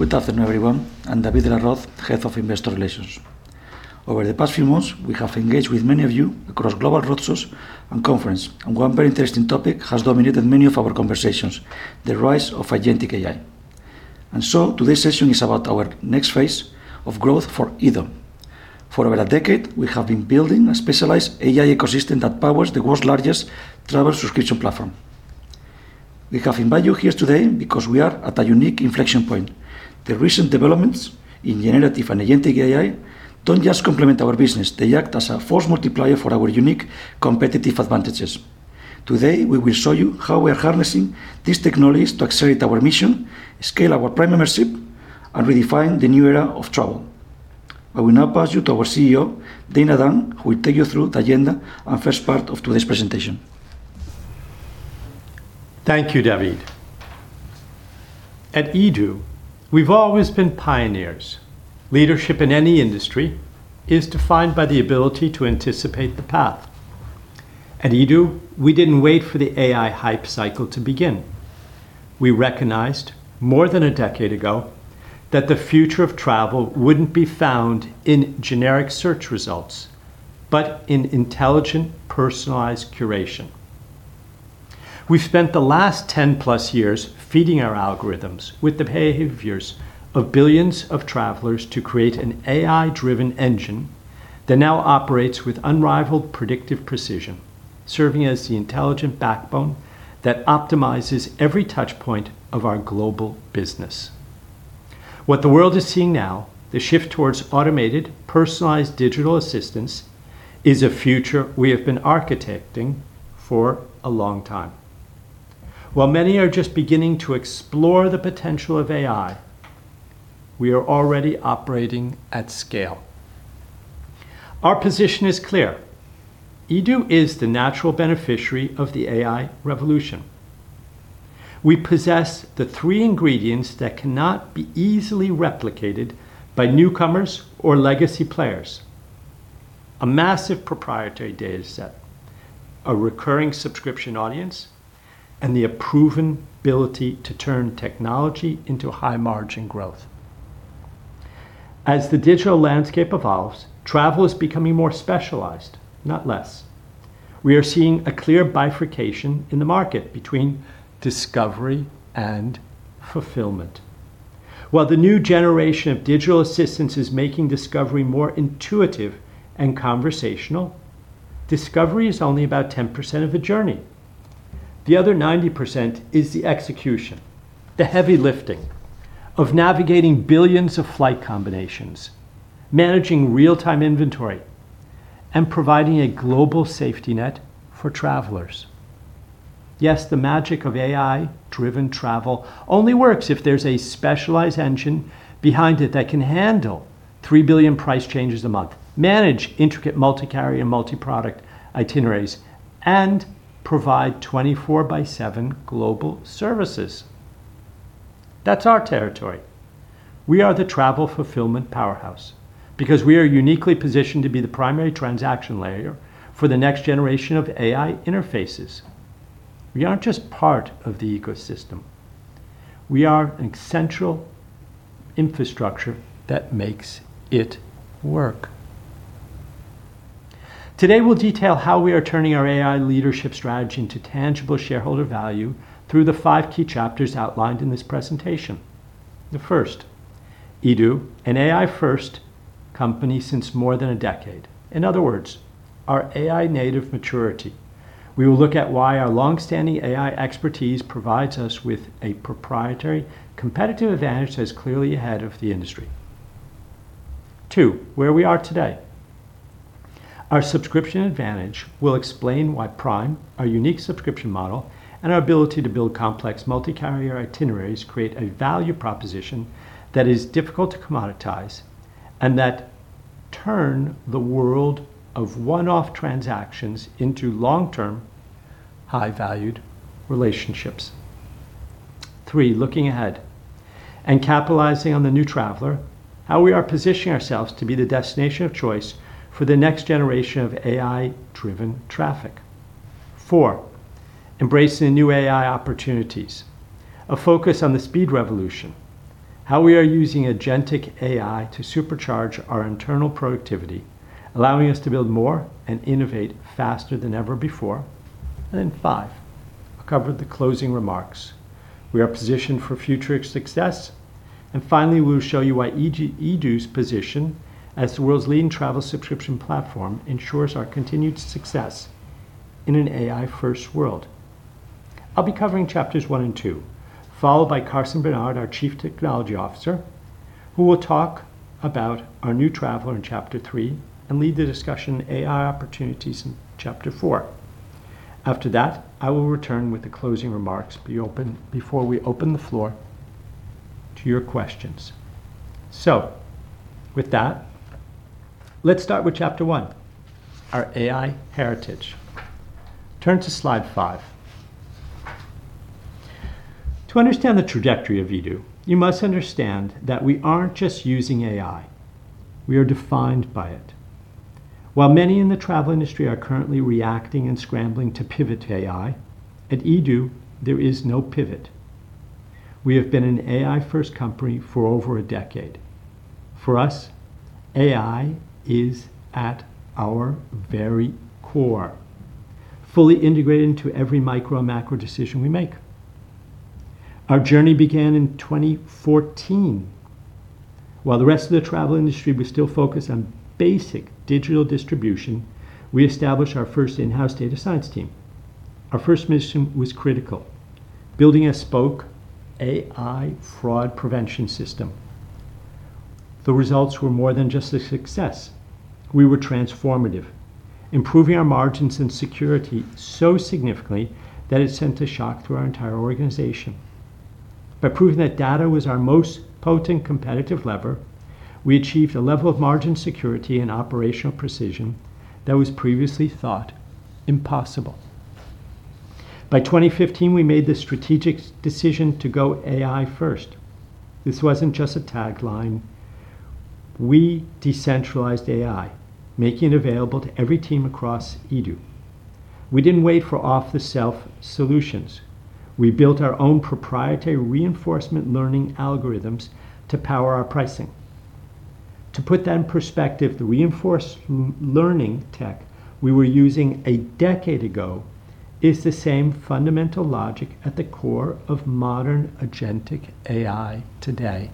Good afternoon, everyone. I'm David de la Roz, Head of Investor Relations. Over the past few months, we have engaged with many of you across global roadshows and conference, and one very interesting topic has dominated many of our conversations, the rise of agentic AI. Today's session is about our next phase of growth for eDO. For over a decade, we have been building a specialized AI ecosystem that powers the world's largest travel subscription platform. We have invited you here today because we are at a unique inflection point. The recent developments in generative and agentic AI don't just complement our business, they act as a force multiplier for our unique competitive advantages. Today, we will show you how we are harnessing these technologies to accelerate our mission, scale our Prime membership, and redefine the new era of travel. I will now pass you to our CEO, Dana Dunne, who will take you through the agenda and first part of today's presentation. Thank you, David. At eDO, we've always been pioneers. Leadership in any industry is defined by the ability to anticipate the path. At eDO, we didn't wait for the AI hype cycle to begin. We recognized more than a decade ago that the future of travel wouldn't be found in generic search results, but in intelligent, personalized curation. We've spent the last 10+ years feeding our algorithms with the behaviors of billions of travelers to create an AI-driven engine that now operates with unrivaled predictive precision, serving as the intelligent backbone that optimizes every touch point of our global business. What the world is seeing now, the shift towards automated, personalized digital assistance, is a future we have been architecting for a long time. While many are just beginning to explore the potential of AI, we are already operating at scale. Our position is clear. eDO is the natural beneficiary of the AI revolution. We possess the three ingredients that cannot be easily replicated by newcomers or legacy players. A massive proprietary data set, a recurring subscription audience, and the proven ability to turn technology into high-margin growth. As the digital landscape evolves, travel is becoming more specialized, not less. We are seeing a clear bifurcation in the market between discovery and fulfillment. While the new generation of digital assistants is making discovery more intuitive and conversational, discovery is only about 10% of the journey. The other 90% is the execution, the heavy lifting of navigating billions of flight combinations, managing real-time inventory, and providing a global safety net for travelers. Yes, the magic of AI-driven travel only works if there's a specialized engine behind it that can handle 3 billion price changes a month, manage intricate multi-carrier, multi-product itineraries, and provide 24/7 global services. That's our territory. We are the travel fulfillment powerhouse because we are uniquely positioned to be the primary transaction layer for the next generation of AI interfaces. We aren't just part of the ecosystem. We are an essential infrastructure that makes it work. Today, we'll detail how we are turning our AI leadership strategy into tangible shareholder value through the five key chapters outlined in this presentation. The first, eDO, an AI-first company since more than a decade. In other words, our AI-native maturity. We will look at why our long-standing AI expertise provides us with a proprietary competitive advantage that is clearly ahead of the industry. two, where we are today. Our subscription advantage will explain why Prime, our unique subscription model, and our ability to build complex multi-carrier itineraries create a value proposition that is difficult to commoditize and that turn the world of one-off transactions into long-term, high-valued relationships. Three, looking ahead and capitalizing on the new traveler, how we are positioning ourselves to be the destination of choice for the next generation of AI-driven traffic. Four, embracing the new AI opportunities, a focus on the speed revolution, how we are using agentic AI to supercharge our internal productivity, allowing us to build more and innovate faster than ever before. Five, I'll cover the closing remarks. We are positioned for future success. Finally, we will show you why eDO's position as the world's leading travel subscription platform ensures our continued success in an AI-first world. I'll be covering chapters 1 and 2, followed by Carsten Bernhard, our Chief Technology Officer, who will talk about our new traveler in chapter 3 and lead the discussion on AI opportunities in chapter 4. After that, I will return with the closing remarks before we open the floor to your questions. With that, let's start with chapter 1, our AI heritage. Turn to slide five. To understand the trajectory of eDO, you must understand that we aren't just using AI, we are defined by it. While many in the travel industry are currently reacting and scrambling to pivot to AI, at eDO there is no pivot. We have been an AI-first company for over 10 years. For us, AI is at our very core, fully integrated into every micro and macro decision we make. Our journey began in 2014. While the rest of the travel industry was still focused on basic digital distribution, we established our first in-house data science team. Our first mission was critical, building a bespoke AI fraud prevention system. The results were more than just a success. We were transformative, improving our margins and security so significantly that it sent a shock through our entire organization. By proving that data was our most potent competitive lever, we achieved a level of margin security and operational precision that was previously thought impossible. By 2015, we made the strategic decision to go AI first. This wasn't just a tagline. We decentralized AI, making it available to every team across eDO. We didn't wait for off-the-shelf solutions. We built our own proprietary reinforcement learning algorithms to power our pricing. To put that in perspective, the reinforcement learning tech we were using a decade ago is the same fundamental logic at the core of modern agentic AI today.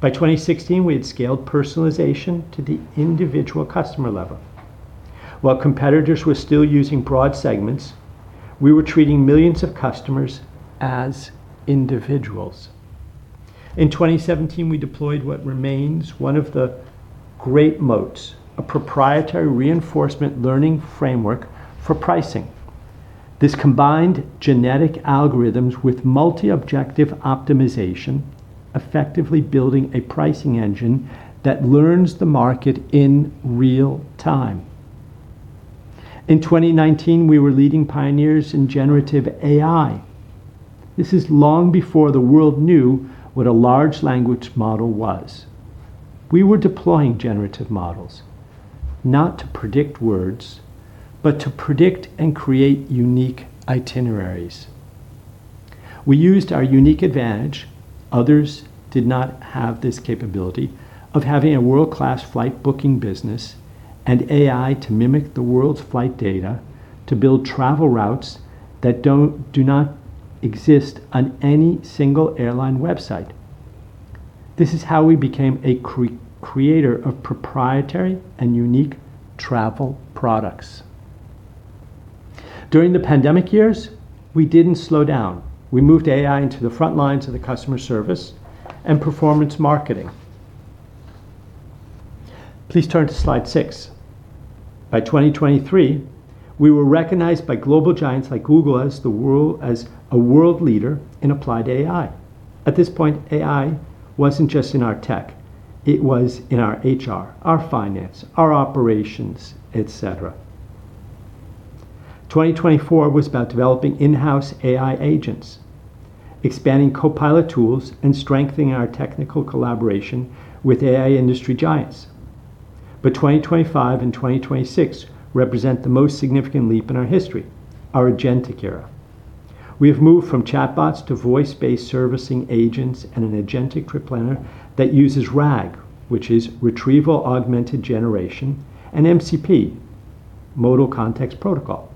By 2016, we had scaled personalization to the individual customer level. While competitors were still using broad segments, we were treating millions of customers as individuals. In 2017, we deployed what remains one of the great moats, a proprietary reinforcement learning framework for pricing. This combined genetic algorithms with multi-objective optimization, effectively building a pricing engine that learns the market in real time. In 2019, we were leading pioneers in generative AI. This is long before the world knew what a large language model was. We were deploying generative models not to predict words, but to predict and create unique itineraries. We used our unique advantage, others did not have this capability, of having a world-class flight booking business and AI to mimic the world's flight data to build travel routes that do not exist on any single airline website. This is how we became a creator of proprietary and unique travel products. During the pandemic years, we didn't slow down. We moved AI into the front lines of the customer service and performance marketing. Please turn to slide six. By 2023, we were recognized by global giants like Google as a world leader in applied AI. At this point, AI wasn't just in our tech, it was in our HR, our finance, our operations, etc. 2024 was about developing in-house AI agents, expanding copilot tools, and strengthening our technical collaboration with AI industry giants. 2025 and 2026 represent the most significant leap in our history, our agentic era. We have moved from chatbots to voice-based servicing agents and an agentic trip planner that uses RAG, which is Retrieval-Augmented Generation, and MCP, Model Context Protocol.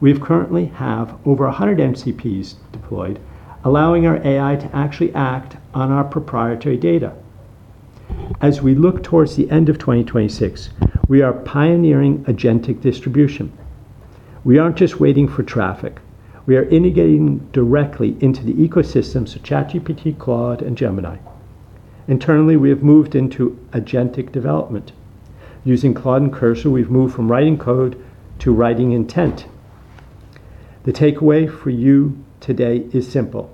We currently have over 100 MCPs deployed, allowing our AI to actually act on our proprietary data. As we look towards the end of 2026, we are pioneering agentic distribution. We aren't just waiting for traffic. We are integrating directly into the ecosystems of ChatGPT, Claude, and Gemini. Internally, we have moved into agentic development. Using Claude and Cursor, we've moved from writing code to writing intent. The takeaway for you today is simple.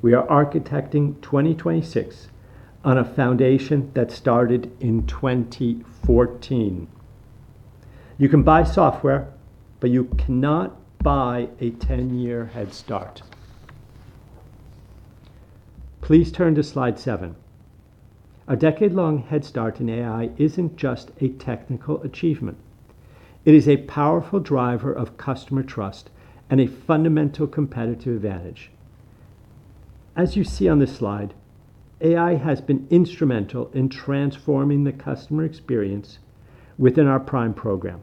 We are architecting 2026 on a foundation that started in 2014. You can buy software, but you cannot buy a 10-year head start. Please turn to slide seven. A decade-long head start in AI isn't just a technical achievement. It is a powerful driver of customer trust and a fundamental competitive advantage. As you see on this slide, AI has been instrumental in transforming the customer experience within our Prime program.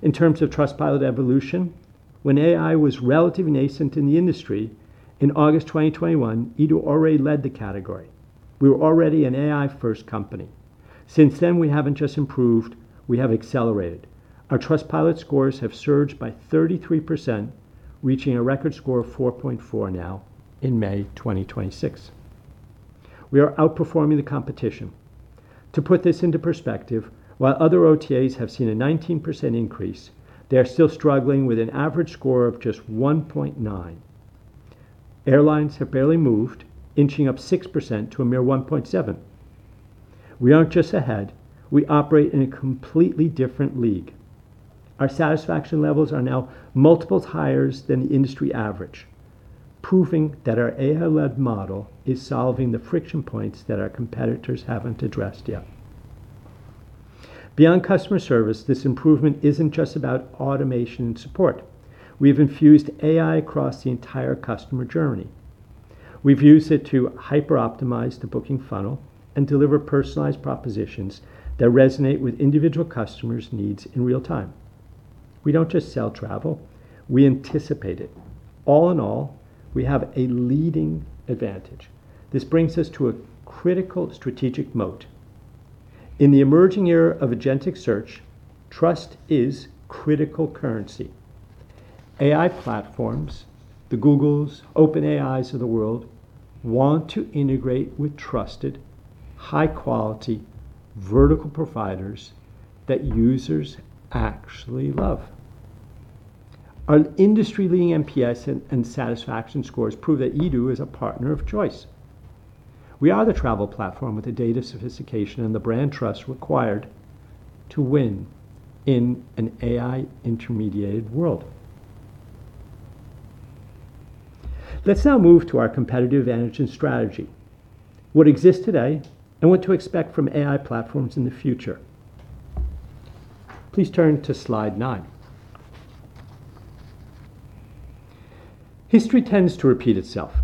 In terms of Trustpilot evolution, when AI was relatively nascent in the industry in August 2021, eDO already led the category. We were already an AI-first company. Since then, we haven't just improved, we have accelerated. Our Trustpilot scores have surged by 33%, reaching a record score of 4.4 now in May 2026. We are outperforming the competition. To put this into perspective, while other OTAs have seen a 19% increase, they are still struggling with an average score of just 1.9. Airlines have barely moved, inching up 6% to a mere 1.7. We aren't just ahead, we operate in a completely different league. Our satisfaction levels are now multiples higher than the industry average. Proving that our AI-led model is solving the friction points that our competitors haven't addressed yet. Beyond customer service, this improvement isn't just about automation and support. We've infused AI across the entire customer journey. We've used it to hyper-optimize the booking funnel and deliver personalized propositions that resonate with individual customers' needs in real time. We don't just sell travel, we anticipate it. All in all, we have a leading advantage. This brings us to a critical strategic moat. In the emerging era of agentic search, trust is critical currency. AI platforms, the Googles, OpenAIs of the world, want to integrate with trusted, high-quality vertical providers that users actually love. Our industry-leading NPS and satisfaction scores prove that eDO is a partner of choice. We are the travel platform with the data sophistication and the brand trust required to win in an AI-intermediated world. Let's now move to our competitive advantage and strategy, what exists today, and what to expect from AI platforms in the future. Please turn to slide nine. History tends to repeat itself.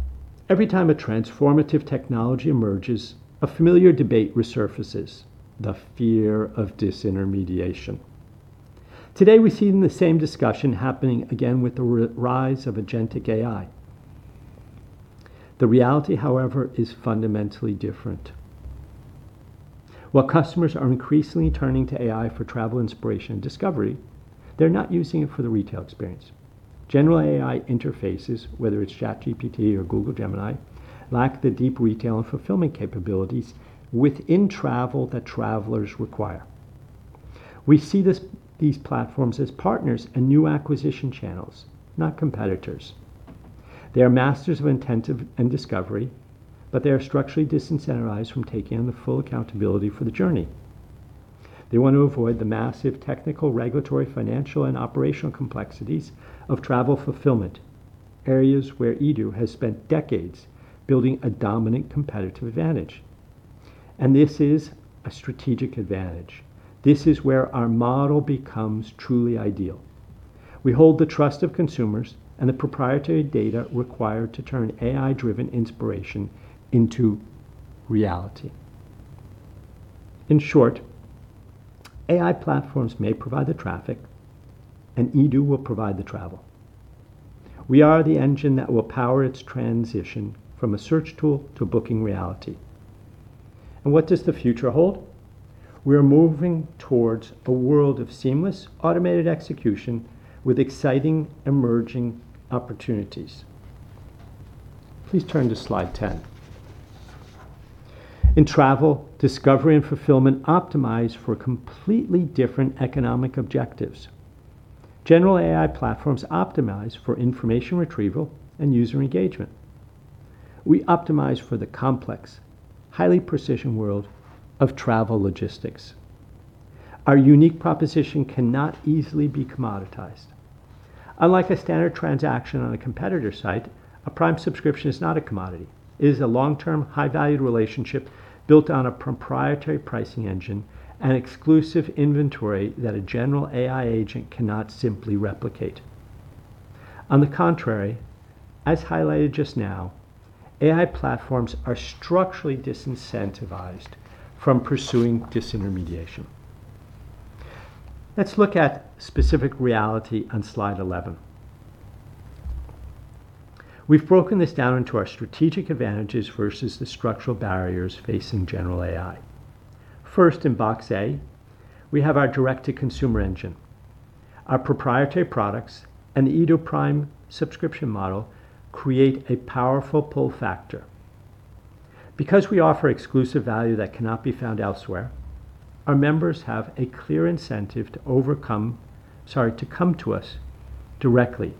Every time a transformative technology emerges, a familiar debate resurfaces, the fear of disintermediation. Today, we're seeing the same discussion happening again with the rise of agentic AI. The reality, however, is fundamentally different. While customers are increasingly turning to AI for travel inspiration and discovery, they're not using it for the retail experience. General AI interfaces, whether it's ChatGPT or Google Gemini, lack the deep retail and fulfillment capabilities within travel that travelers require. We see these platforms as partners and new acquisition channels, not competitors. They are masters of incentive and discovery, but they are structurally disincentivized from taking on the full accountability for the journey. They want to avoid the massive technical, regulatory, financial, and operational complexities of travel fulfillment, areas where eDO has spent decades building a dominant competitive advantage. This is a strategic advantage. This is where our model becomes truly ideal. We hold the trust of consumers and the proprietary data required to turn AI-driven inspiration into reality. In short, AI platforms may provide the traffic, and eDO will provide the travel. We are the engine that will power its transition from a search tool to booking reality. What does the future hold? We're moving towards a world of seamless automated execution with exciting emerging opportunities. Please turn to slide 10. In travel, discovery and fulfillment optimize for completely different economic objectives. General AI platforms optimize for information retrieval and user engagement. We optimize for the complex, highly precise world of travel logistics. Our unique proposition cannot easily be commoditized. Unlike a standard transaction on a competitor site, a Prime subscription is not a commodity. It is a long-term, high-value relationship built on a proprietary pricing engine and exclusive inventory that a general AI agent cannot simply replicate. On the contrary, as highlighted just now, AI platforms are structurally disincentivized from pursuing disintermediation. Let's look at specific reality on slide 11. We've broken this down into our strategic advantages versus the structural barriers facing general AI. First, in box A, we have our direct-to-consumer engine. Our proprietary products and the eDO Prime subscription model create a powerful pull factor. We offer exclusive value that cannot be found elsewhere, our members have a clear incentive to come to us directly.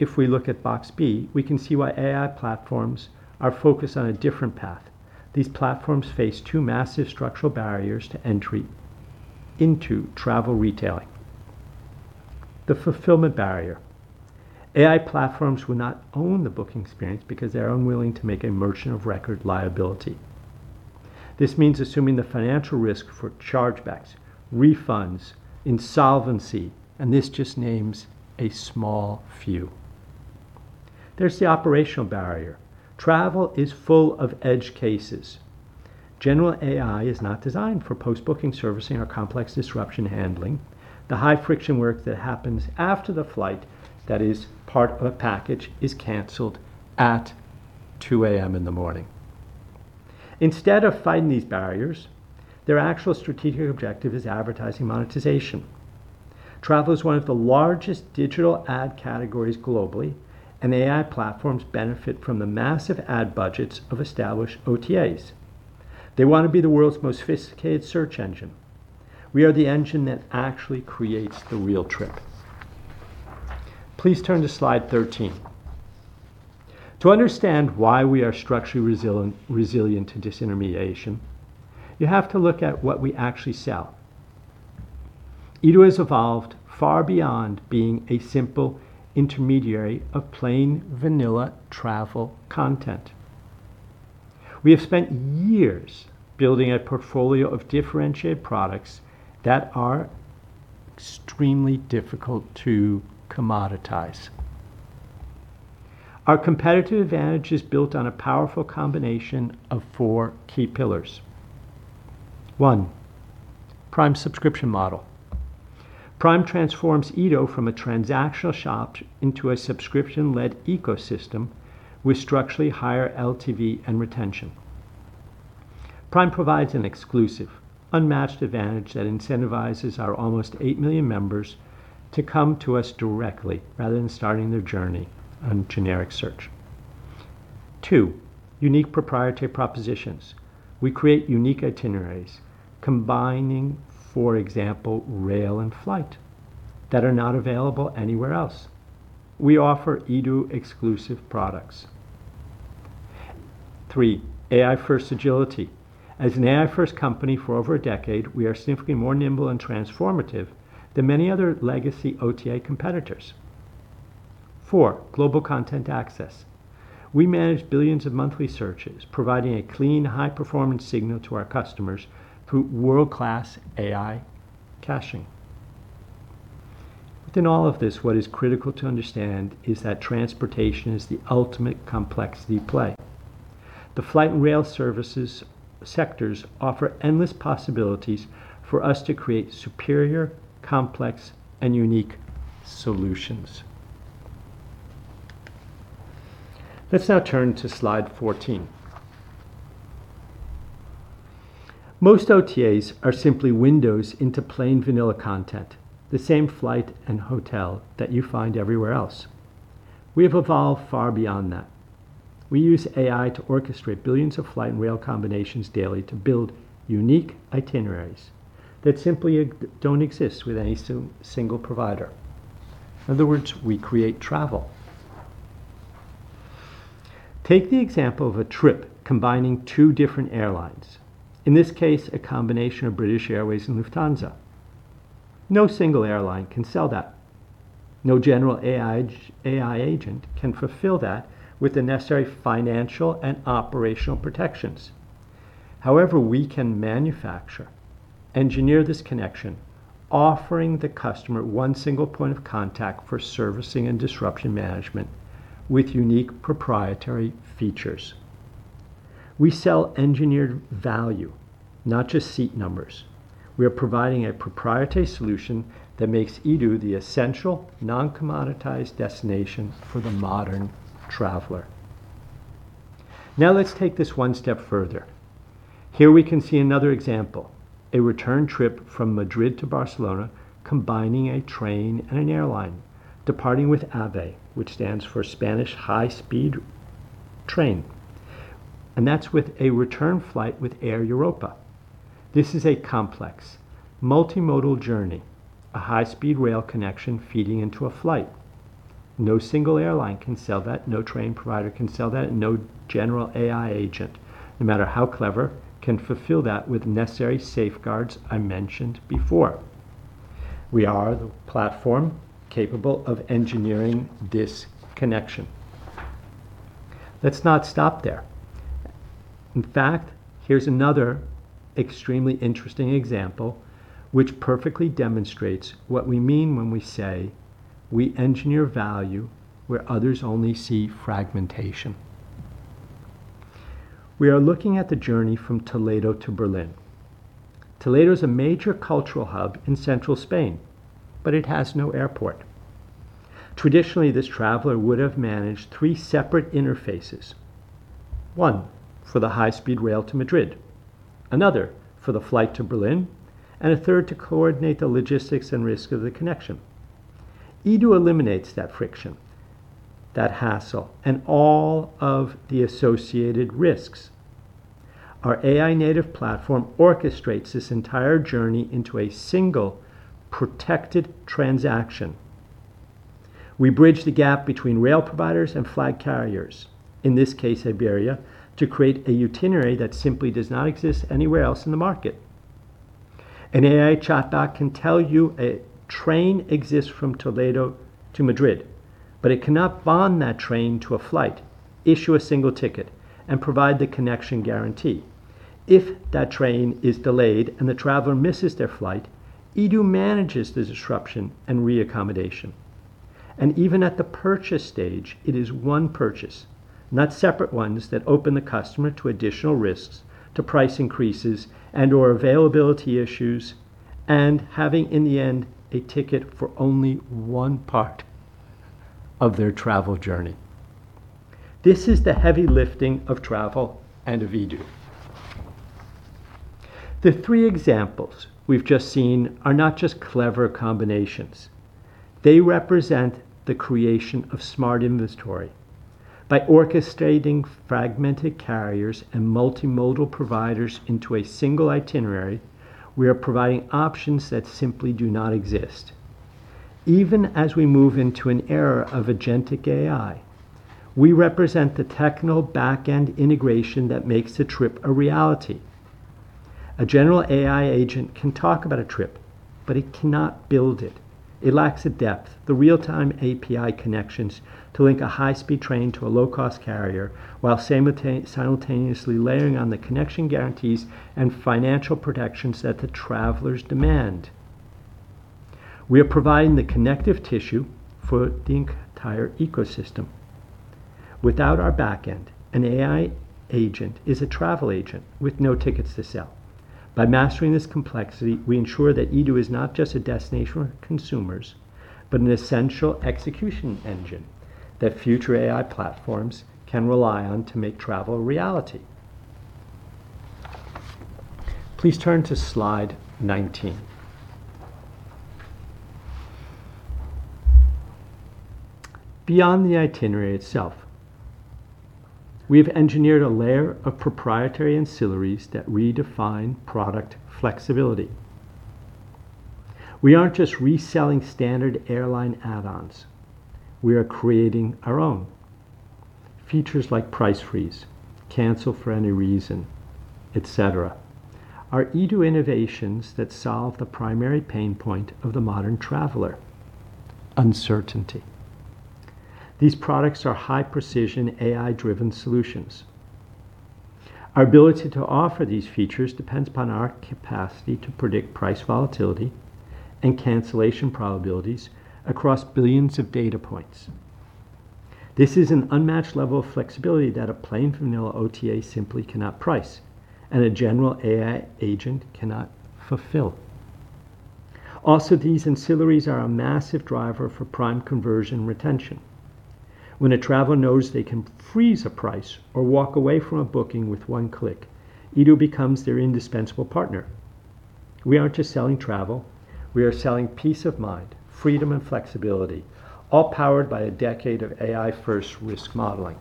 If we look at box B, we can see why AI platforms are focused on a different path. These platforms face two massive structural barriers to entry into travel retailing. The fulfillment barrier. AI platforms will not own the booking experience because they are unwilling to make a merchant of record liability. This means assuming the financial risk for chargebacks, refunds, insolvency, and this just names a small few. There's the operational barrier. Travel is full of edge cases. General AI is not designed for post-booking servicing or complex disruption handling, the high-friction work that happens after the flight that is part of a package is canceled at 2:00 A.M. in the morning. Instead of fighting these barriers, their actual strategic objective is advertising monetization. Travel is one of the largest digital ad categories globally, and AI platforms benefit from the massive ad budgets of established OTAs. They wanna be the world's most sophisticated search engine. We are the engine that actually creates the real trip. Please turn to slide 13. To understand why we are structurally resilient to disintermediation, you have to look at what we actually sell. eDO has evolved far beyond being a simple intermediary of plain vanilla travel content. We have spent years building a portfolio of differentiated products that are extremely difficult to commoditize. Our competitive advantage is built on a powerful combination of four key pillars. One, Prime subscription model. Prime transforms eDO from a transactional shop into a subscription-led ecosystem with structurally higher LTV and retention. Prime provides an exclusive, unmatched advantage that incentivizes our almost 8 million members to come to us directly rather than starting their journey on generic search. two, unique proprietary propositions. We create unique itineraries combining, for example, rail and flight that are not available anywhere else. We offer eDO-exclusive products. Three, AI-first agility. As an AI-first company for over a decade, we are significantly more nimble and transformative than many other legacy OTA competitors. Four, global content access. We manage billions of monthly searches, providing a clean, high-performance signal to our customers through world-class AI caching. Within all of this, what is critical to understand is that transportation is the ultimate complexity play. The flight and rail services sectors offer endless possibilities for us to create superior, complex, and unique solutions. Let's now turn to slide 14. Most OTAs are simply windows into plain vanilla content, the same flight and hotel that you find everywhere else. We have evolved far beyond that. We use AI to orchestrate billions of flight and rail combinations daily to build unique itineraries that simply don't exist with any single provider. In other words, we create travel. Take the example of a trip combining two different airlines. In this case, a combination of British Airways and Lufthansa. No single airline can sell that. No general AI agent can fulfill that with the necessary financial and operational protections. However, we can manufacture, engineer this connection, offering the customer one single point of contact for servicing and disruption management with unique proprietary features. We sell engineered value, not just seat numbers. We are providing a proprietary solution that makes Edo the essential non-commoditized destination for the modern traveler. Let's take this one step further. Here we can see another example, a return trip from Madrid to Barcelona combining a train and an airline departing with AVE, which stands for Spanish High-Speed Train. That's with a return flight with Air Europa. This is a complex, multimodal journey, a high-speed rail connection feeding into a flight. No single airline can sell that. No train provider can sell that. No general AI agent, no matter how clever, can fulfill that with necessary safeguards I mentioned before. We are the platform capable of engineering this connection. Let's not stop there. In fact, here's another extremely interesting example which perfectly demonstrates what we mean when we say we engineer value where others only see fragmentation. We are looking at the journey from Toledo to Berlin. Toledo is a major cultural hub in central Spain, it has no airport. Traditionally, this traveler would have managed three separate interfaces. One for the high-speed rail to Madrid, another for the flight to Berlin, and a third to coordinate the logistics and risk of the connection. Edo eliminates that friction, that hassle, and all of the associated risks. Our AI-native platform orchestrates this entire journey into a single protected transaction. We bridge the gap between rail providers and flag carriers, in this case Iberia, to create an itinerary that simply does not exist anywhere else in the market. An AI chatbot can tell you a train exists from Toledo to Madrid, but it cannot bond that train to a flight, issue a single ticket, and provide the connection guarantee. If that train is delayed and the traveler misses their flight, Edo manages the disruption and reaccommodation. Even at the purchase stage, it is one purchase, not separate ones that open the customer to additional risks, to price increases and or availability issues, and having in the end a ticket for only one part of their travel journey. This is the heavy lifting of travel and of eDO. The three examples we've just seen are not just clever combinations. They represent the creation of smart inventory. By orchestrating fragmented carriers and multimodal providers into a single itinerary, we are providing options that simply do not exist. Even as we move into an era of agentic AI, we represent the techno backend integration that makes the trip a reality. A general AI agent can talk about a trip, but it cannot build it. It lacks the depth, the real-time API connections to link a high-speed train to a low-cost carrier while simultaneously layering on the connection guarantees and financial protections that the travelers demand. We are providing the connective tissue for the entire ecosystem. Without our backend, an AI agent is a travel agent with no tickets to sell. By mastering this complexity, we ensure that Edo is not just a destination for consumers, but an essential execution engine that future AI platforms can rely on to make travel a reality. Please turn to slide 19. Beyond the itinerary itself, we have engineered a layer of proprietary ancillaries that redefine product flexibility. We aren't just reselling standard airline add-ons, we are creating our own. Features like Price Freeze, Cancel for Any Reason, et cetera, are Edo innovations that solve the primary pain point of the modern traveler, uncertainty. These products are high-precision AI-driven solutions. Our ability to offer these features depends upon our capacity to predict price volatility and cancellation probabilities across billions of data points. This is an unmatched level of flexibility that a plain vanilla OTA simply cannot price and a general AI agent cannot fulfill. Also, these ancillaries are a massive driver for Prime conversion retention. When a traveler knows they can Price Freeze or walk away from a booking with one click, eDO becomes their indispensable partner. We aren't just selling travel, we are selling peace of mind, freedom, and flexibility, all powered by a decade of AI-first risk modeling.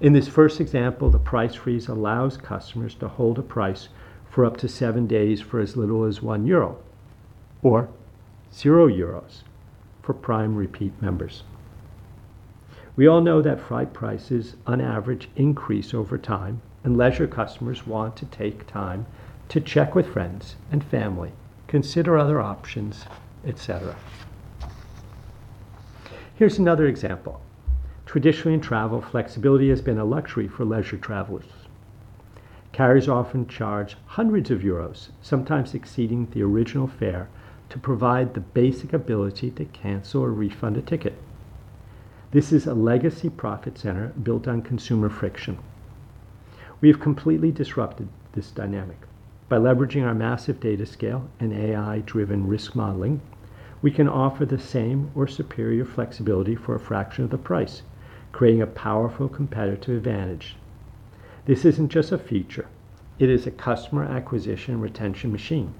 In this first example, the Price Freeze allows customers to hold a price for up to seven days for as little as 1 euro or 0 euros for Prime repeat members. We all know that flight prices on average increase over time, and leisure customers want to take time to check with friends and family, consider other options, et cetera. Here's another example. Traditionally, in travel, flexibility has been a luxury for leisure travelers. Carriers often charge hundreds of euros, sometimes exceeding the original fare, to provide the basic ability to cancel or refund a ticket. This is a legacy profit center built on consumer friction. We have completely disrupted this dynamic. By leveraging our massive data scale and AI-driven risk modeling, we can offer the same or superior flexibility for a fraction of the price, creating a powerful competitive advantage. This isn't just a feature, it is a customer acquisition retention machine.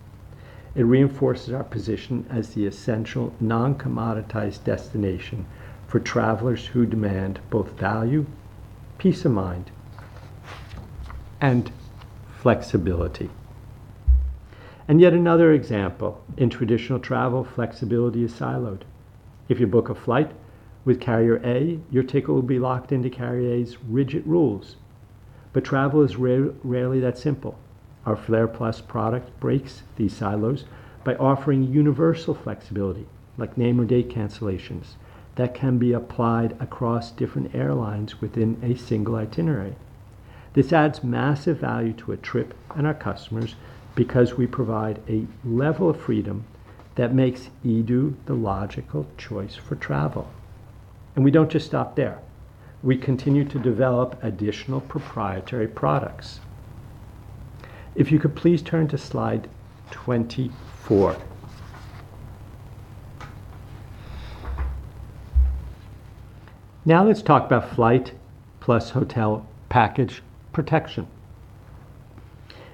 It reinforces our position as the essential non-commoditized destination for travelers who demand both value, peace of mind, and flexibility. Yet another example. In traditional travel, flexibility is siloed. If you book a flight with carrier A, your ticket will be locked into carrier A's rigid rules. Travel is rarely that simple. Our Flex Plus product breaks these silos by offering universal flexibility, like name or date cancellations that can be applied across different airlines within a single itinerary. This adds massive value to a trip and our customers because we provide a level of freedom that makes eDO the logical choice for travel. We don't just stop there. We continue to develop additional proprietary products. If you could please turn to slide 24. Let's talk about flight plus hotel package protection.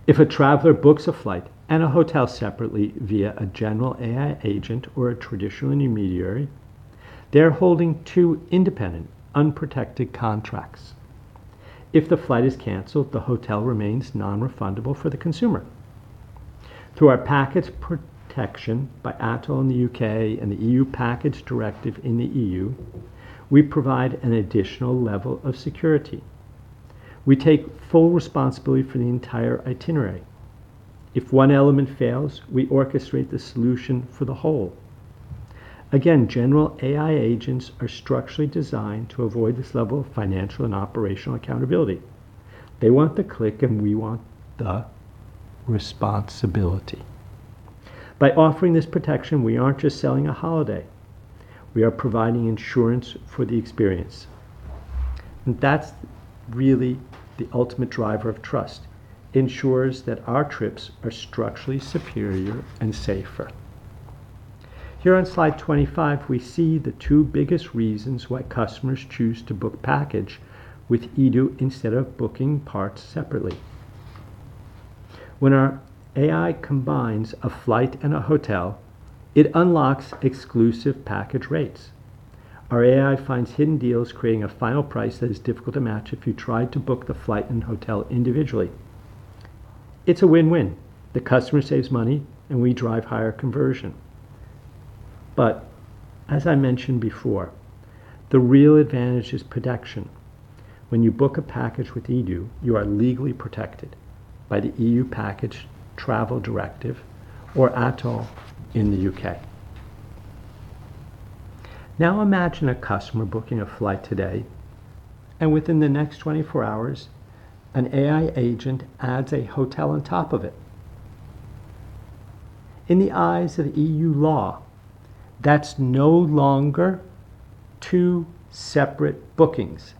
If a traveler books a flight and a hotel separately via a general AI agent or a traditional intermediary, they're holding two independent, unprotected contracts. If the flight is canceled, the hotel remains non-refundable for the consumer. Through our package protection by ATOL in the U.K. and the EU Package Directive in the EU, we provide an additional level of security. We take full responsibility for the entire itinerary. If one element fails, we orchestrate the solution for the whole. Again, general AI agents are structurally designed to avoid this level of financial and operational accountability. They want the click, and we want the responsibility. By offering this protection, we aren't just selling a holiday, we are providing insurance for the experience, and that's really the ultimate driver of trust. Ensures that our trips are structurally superior and safer. Here on slide 25, we see the two biggest reasons why customers choose to book package with eDO instead of booking parts separately. When our AI combines a flight and a hotel, it unlocks exclusive package rates. Our AI finds hidden deals, creating a final price that is difficult to match if you tried to book the flight and hotel individually. It's a win-win. The customer saves money, we drive higher conversion. As I mentioned before, the real advantage is protection. When you book a package with eDO, you are legally protected by the EU Package Travel Directive or ATOL in the U.K. Imagine a customer booking a flight today, within the next 24 hours, an AI agent adds a hotel on top of it. In the eyes of EU law, that's no longer 2 separate bookings.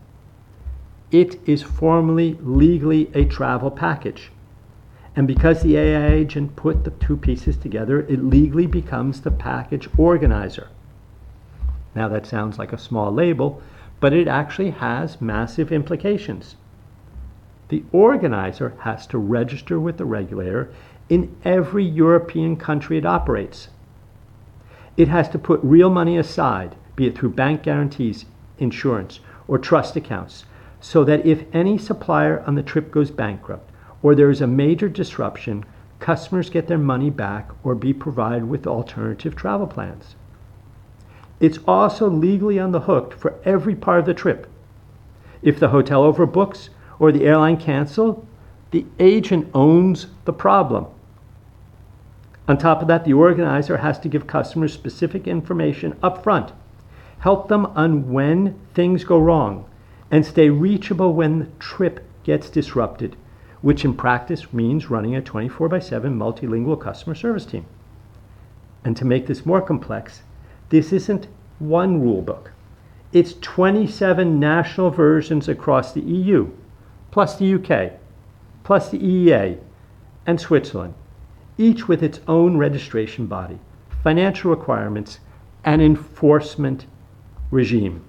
It is formally legally a travel package, because the AI agent put the two pieces together, it legally becomes the package organizer. That sounds like a small label, it actually has massive implications. The organizer has to register with the regulator in every European country it operates. It has to put real money aside, be it through bank guarantees, insurance, or trust accounts so that if any supplier on the trip goes bankrupt or there is a major disruption, customers get their money back or be provided with alternative travel plans. It's also legally on the hook for every part of the trip. If the hotel overbooks or the airline cancel, the agent owns the problem. On top of that, the organizer has to give customers specific information upfront, help them on when things go wrong, and stay reachable when the trip gets disrupted, which in practice means running a 24 by seven multilingual customer service team. To make this more complex, this isn't one rule book. It's 27 national versions across the EU, plus the UK, plus the EEA and Switzerland, each with its own registration body, financial requirements, and enforcement regime.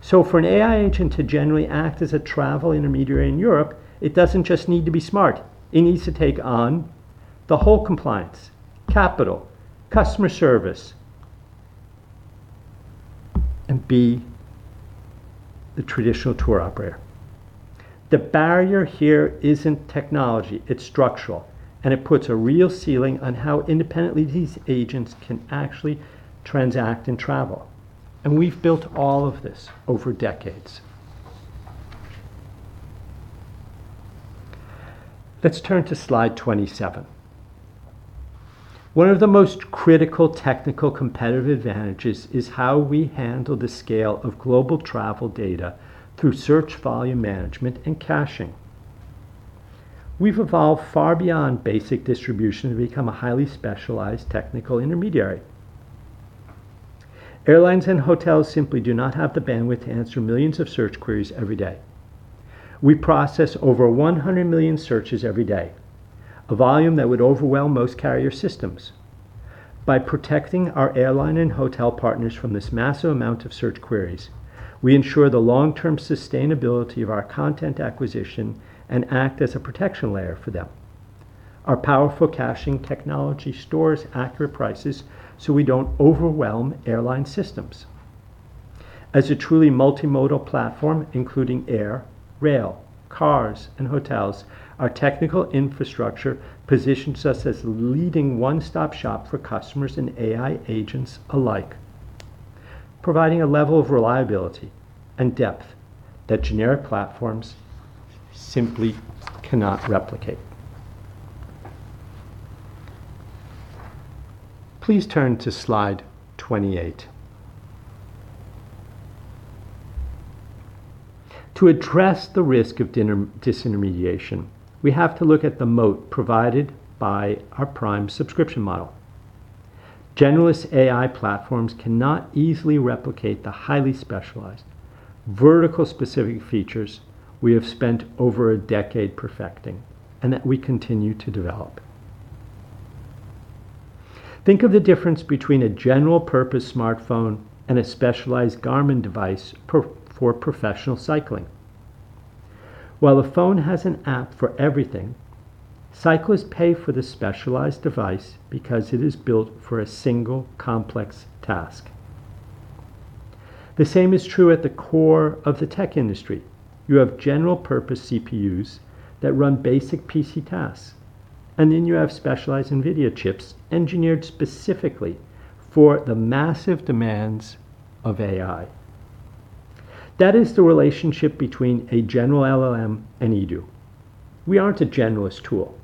For an AI agent to generally act as a travel intermediary in Europe, it doesn't just need to be smart. It needs to take on the whole compliance, capital, customer service, and be the traditional tour operator. The barrier here isn't technology, it's structural, it puts a real ceiling on how independently these agents can actually transact and travel. We've built all of this over decades. Let's turn to slide 27. One of the most critical technical competitive advantages is how we handle the scale of global travel data through search volume management and caching. We've evolved far beyond basic distribution to become a highly specialized technical intermediary. Airlines and hotels simply do not have the bandwidth to answer millions of search queries every day. We process over 100 million searches every day, a volume that would overwhelm most carrier systems. By protecting our airline and hotel partners from this massive amount of search queries, we ensure the long-term sustainability of our content acquisition and act as a protection layer for them. Our powerful caching technology stores accurate prices so we don't overwhelm airline systems. As a truly multimodal platform, including air, rail, cars, and hotels, our technical infrastructure positions us as the leading one-stop shop for customers and AI agents alike, providing a level of reliability and depth that generic platforms simply cannot replicate. Please turn to slide 28. To address the risk of disintermediation, we have to look at the moat provided by our Prime subscription model. Generalist AI platforms cannot easily replicate the highly specialized, vertical-specific features we have spent over a decade perfecting and that we continue to develop. Think of the difference between a general-purpose smartphone and a specialized Garmin device for professional cycling. While a phone has an app for everything, cyclists pay for the specialized device because it is built for a single complex task. The same is true at the core of the tech industry. You have general-purpose CPUs that run basic PC tasks, and then you have specialized NVIDIA chips engineered specifically for the massive demands of AI. That is the relationship between a general LLM and eDO. We aren't a generalist tool.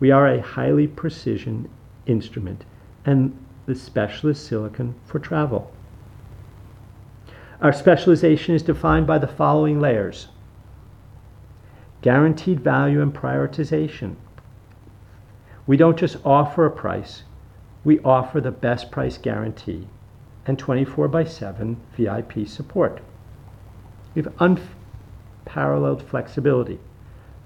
We are a highly precision instrument and the specialist silicon for travel. Our specialization is defined by the following layers. Guaranteed value and prioritization. We don't just offer a price. We offer the best price guarantee and 24/7 VIP support. We have unparalleled flexibility.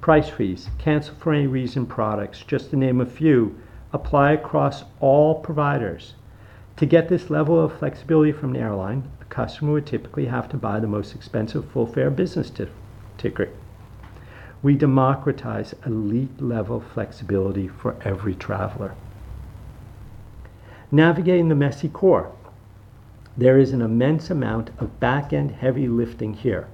Price Freeze, Cancel for Any Reason products, just to name a few, apply across all providers. To get this level of flexibility from the airline, a customer would typically have to buy the most expensive full-fare business ticket. We democratize elite-level flexibility for every traveler. Navigating the messy core. There is an immense amount of back-end heavy lifting here.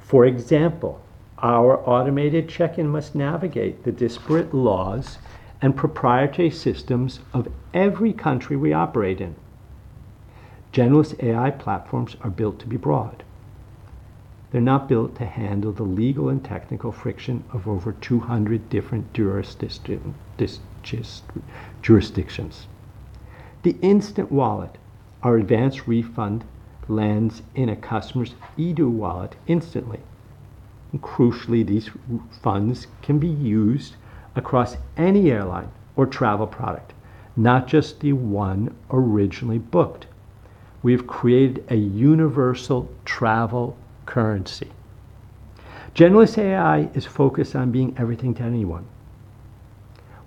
For example, our automated check-in must navigate the disparate laws and proprietary systems of every country we operate in. Generalist AI platforms are built to be broad. They're not built to handle the legal and technical friction of over 200 different jurisdictions. The Instant Wallet, our advanced refund, lands in a customer's eDO Wallet instantly. Crucially, these funds can be used across any airline or travel product, not just the one originally booked. We have created a universal travel currency. Generalist AI is focused on being everything to anyone.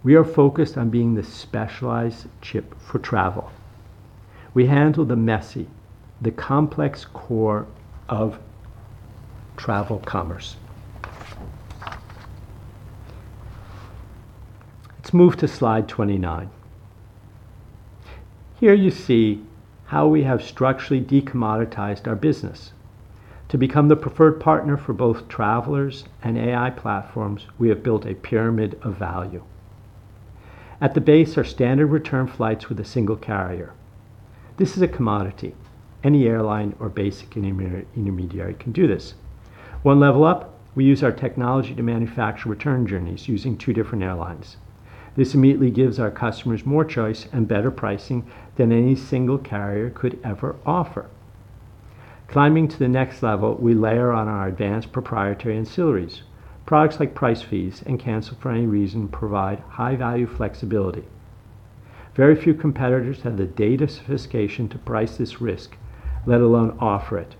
We are focused on being the specialized chip for travel. We handle the messy, the complex core of travel commerce. Let's move to slide 29. Here you see how we have structurally de-commoditized our business. To become the preferred partner for both travelers and AI platforms, we have built a pyramid of value. At the base are standard return flights with a single carrier. This is a commodity. Any airline or basic intermediary can do this. 1 level up, we use our technology to manufacture return journeys using two different airlines. This immediately gives our customers more choice and better pricing than any single carrier could ever offer. Climbing to the next level, we layer on our advanced proprietary ancillaries. Products like Price Freeze and Cancel for Any Reason provide high-value flexibility. Very few competitors have the data sophistication to price this risk, let alone offer it.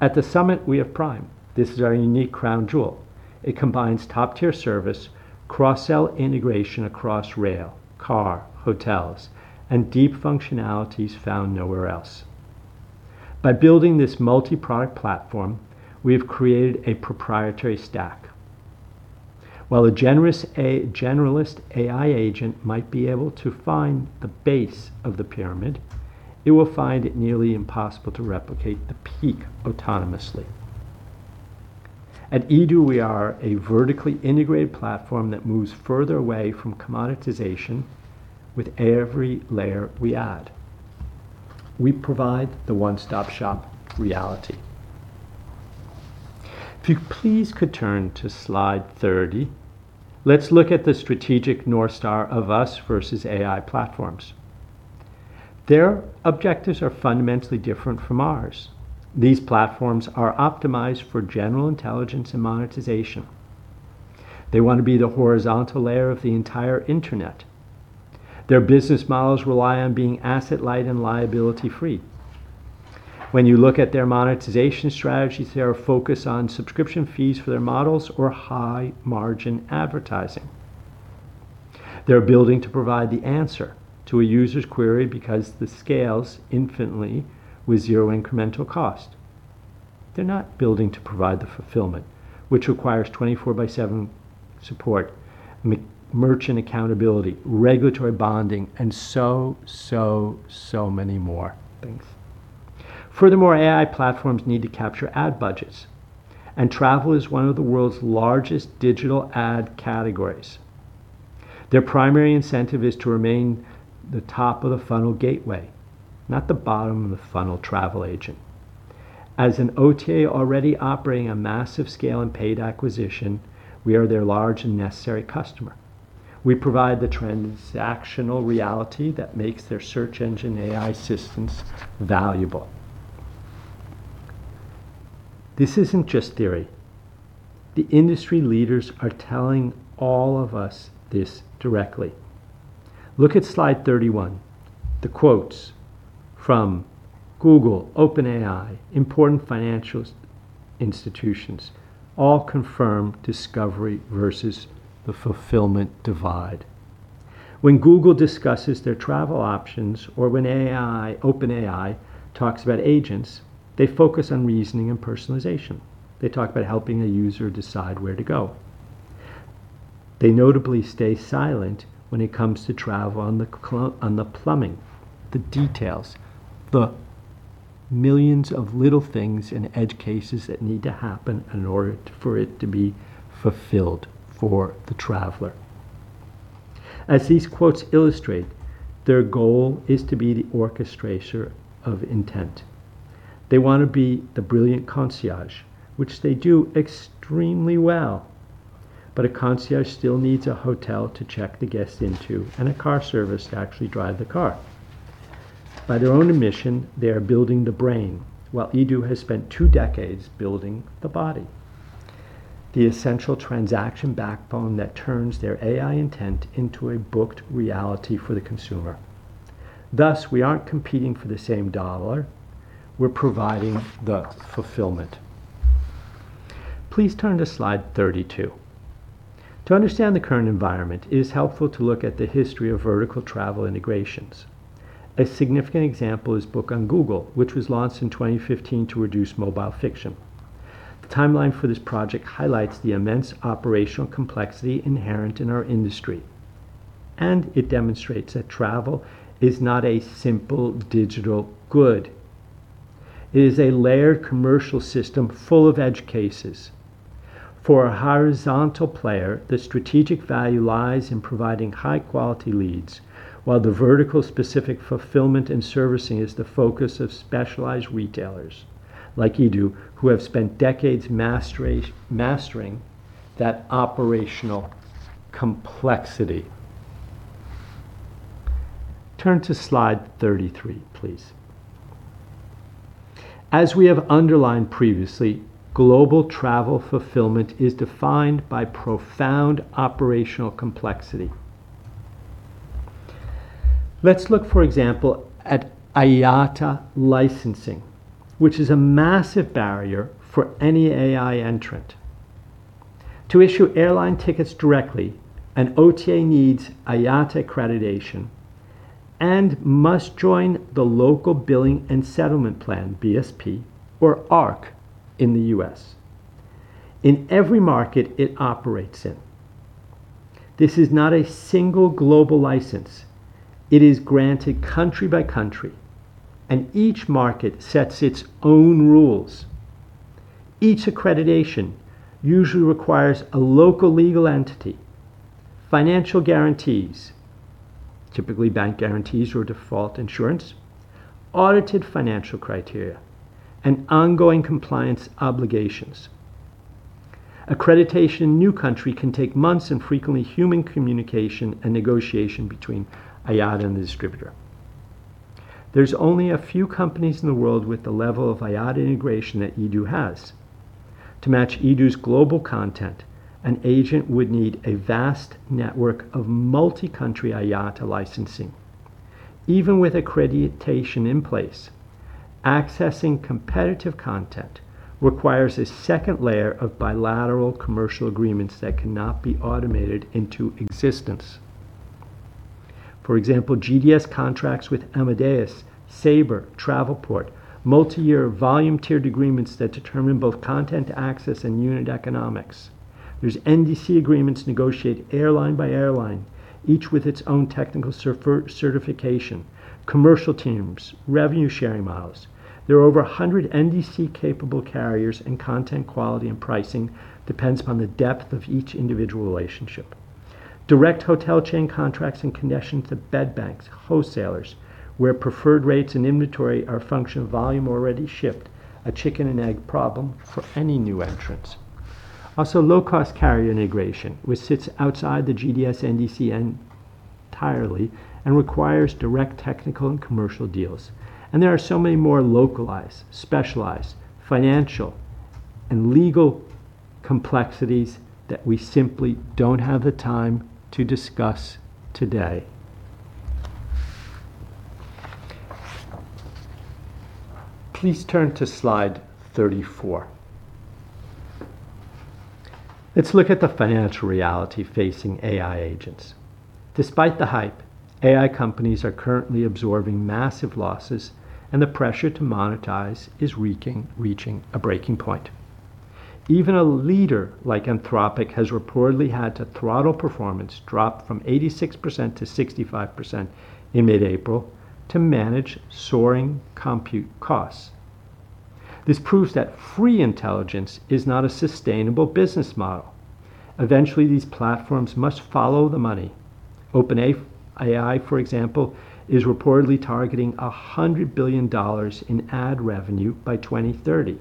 At the summit, we have Prime. This is our unique crown jewel. It combines top-tier service, cross-sell integration across rail, car, hotels, and deep functionalities found nowhere else. By building this multi-product platform, we have created a proprietary stack. While a generalist AI agent might be able to find the base of the pyramid, it will find it nearly impossible to replicate the peak autonomously. At eDO, we are a vertically integrated platform that moves further away from commoditization with every layer we add. We provide the one-stop-shop reality. If you please could turn to slide 30, let's look at the strategic North Star of us versus AI platforms. Their objectives are fundamentally different from ours. These platforms are optimized for general intelligence and monetization. They want to be the horizontal layer of the entire Internet. Their business models rely on being asset-light and liability-free. When you look at their monetization strategies, they are focused on subscription fees for their models or high-margin advertising. They're building to provide the answer to a user's query because this scales infinitely with zero incremental cost. They're not building to provide the fulfillment, which requires 24/7 support, merchant accountability, regulatory bonding, and so many more things. Furthermore, AI platforms need to capture ad budgets, and travel is one of the world's largest digital ad categories. Their primary incentive is to remain the top-of-the-funnel gateway, not the bottom-of-the-funnel travel agent. As an OTA already operating a massive scale in paid acquisition, we are their large and necessary customer. We provide the transactional reality that makes their search engine AI systems valuable. This isn't just theory. The industry leaders are telling all of us this directly. Look at slide 31. The quotes from Google, OpenAI, important financial institutions all confirm discovery versus the fulfillment divide. When Google discusses their travel options or when OpenAI talks about agents, they focus on reasoning and personalization. They talk about helping a user decide where to go. They notably stay silent when it comes to travel on the plumbing, the details, the millions of little things and edge cases that need to happen in order for it to be fulfilled for the traveler. As these quotes illustrate, their goal is to be the orchestrator of intent. They want to be the brilliant concierge, which they do extremely well. A concierge still needs a hotel to check the guest into and a car service to actually drive the car. By their own admission, they are building the brain, while eDO has spent two decades building the body, the essential transaction backbone that turns their AI intent into a booked reality for the consumer. Thus, we aren't competing for the same dollar. We're providing the fulfillment. Please turn to slide 32. To understand the current environment, it is helpful to look at the history of vertical travel integrations. A significant example is Book on Google, which was launched in 2015 to reduce mobile fiction. The timeline for this project highlights the immense operational complexity inherent in our industry. It demonstrates that travel is not a simple digital good. It is a layered commercial system full of edge cases. For a horizontal player, the strategic value lies in providing high-quality leads, while the vertical-specific fulfillment and servicing is the focus of specialized retailers like eDO, who have spent decades mastering that operational complexity. Turn to slide 33, please. As we have underlined previously, global travel fulfillment is defined by profound operational complexity. Let's look, for example, at IATA licensing, which is a massive barrier for any AI entrant. To issue airline tickets directly, an OTA needs IATA accreditation and must join the local billing and settlement plan, BSP or ARC in the U.S., in every market it operates in. This is not a single global license. It is granted country by country. Each market sets its own rules. Each accreditation usually requires a local legal entity, financial guarantees, typically bank guarantees or default insurance, audited financial criteria, and ongoing compliance obligations. Accreditation in a new country can take months and frequently human communication and negotiation between IATA and the distributor. There is only a few companies in the world with the level of IATA integration that edu has. To match eDO's global content, an agent would need a vast network of multi-country IATA licensing. Even with accreditation in place, accessing competitive content requires a second layer of bilateral commercial agreements that cannot be automated into existence. For example, GDS contracts with Amadeus, Sabre, Travelport, multi-year volume-tiered agreements that determine both content access and unit economics. There is NDC agreements negotiated airline by airline, each with its own technical certification, commercial teams, revenue-sharing models. There are over 100 NDC-capable carriers, and content quality and pricing depends upon the depth of each individual relationship. Direct hotel chain contracts in connection to bed banks, wholesalers, where preferred rates and inventory are a function of volume already shipped, a chicken-and-egg problem for any new entrants. Low-cost carrier integration, which sits outside the GDS NDC entirely and requires direct technical and commercial deals. There are so many more localized, specialized, financial, and legal complexities that we simply don't have the time to discuss today. Please turn to slide 34. Let's look at the financial reality facing AI agents. Despite the hype, AI companies are currently absorbing massive losses and the pressure to monetize is reaching a breaking point. Even a leader like Anthropic has reportedly had to throttle performance drop from 86% to 65% in mid-April to manage soaring compute costs. This proves that free intelligence is not a sustainable business model. Eventually, these platforms must follow the money. OpenAI, for example, is reportedly targeting $100 billion in ad revenue by 2030.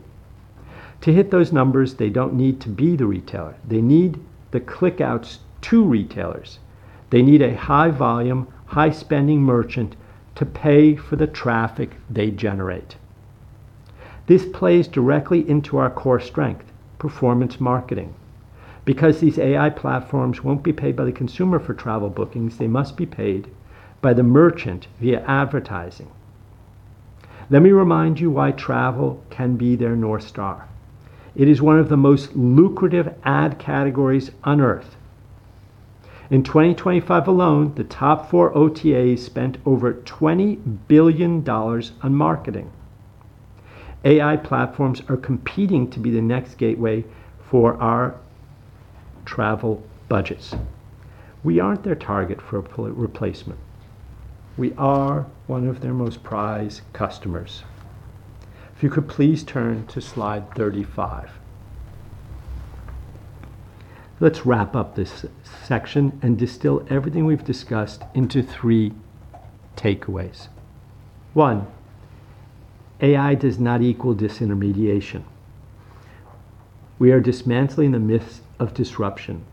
To hit those numbers, they don't need to be the retailer. They need the click outs to retailers. They need a high-volume, high-spending merchant to pay for the traffic they generate. This plays directly into our core strength, performance marketing. Because these AI platforms won't be paid by the consumer for travel bookings, they must be paid by the merchant via advertising. Let me remind you why travel can be their North Star. It is one of the most lucrative ad categories on Earth. In 2025 alone, the top four OTAs spent over $20 billion on marketing. AI platforms are competing to be the next gateway for our travel budgets. We aren't their target for a replacement. We are one of their most prized customers. If you could please turn to slide 35. Let's wrap up this section and distill everything we've discussed into three takeaways. One, AI does not equal disintermediation. We are dismantling the myths of disruption.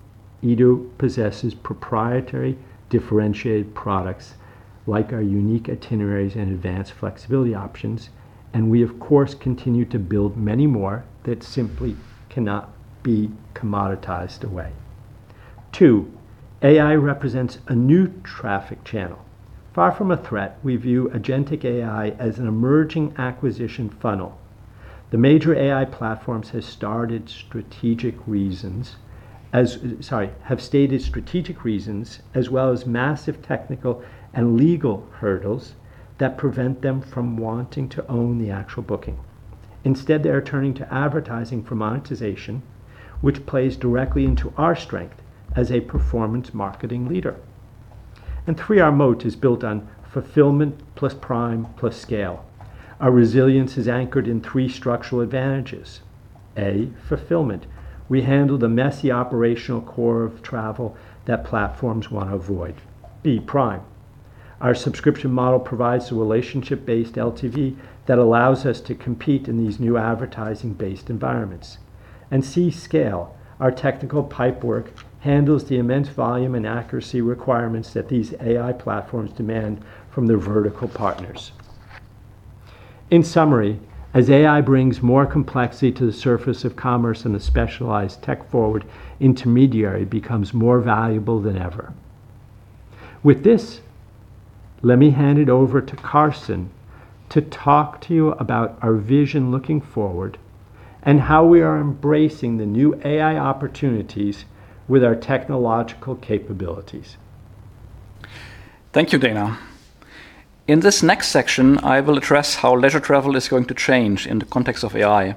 eDO possesses proprietary differentiated products like our unique itineraries and advanced flexibility options, and we, of course, continue to build many more that simply cannot be commoditized away. Two, AI represents a new traffic channel. Far from a threat, we view agentic AI as an emerging acquisition funnel. The major AI platforms have stated strategic reasons as well as massive technical and legal hurdles that prevent them from wanting to own the actual booking. Instead, they are turning to advertising for monetization, which plays directly into our strength as a performance marketing leader. Three, our moat is built on fulfillment plus Prime plus scale. Our resilience is anchored in three structural advantages. A, fulfillment. We handle the messy operational core of travel that platforms wanna avoid. B, Prime. Our subscription model provides the relationship-based LTV that allows us to compete in these new advertising-based environments. C, scale. Our technical pipework handles the immense volume and accuracy requirements that these AI platforms demand from their vertical partners. In summary, as AI brings more complexity to the surface of commerce and the specialized tech-forward intermediary becomes more valuable than ever. With this, let me hand it over to Carsten to talk to you about our vision looking forward and how we are embracing the new AI opportunities with our technological capabilities. Thank you, Dana. In this next section, I will address how leisure travel is going to change in the context of AI,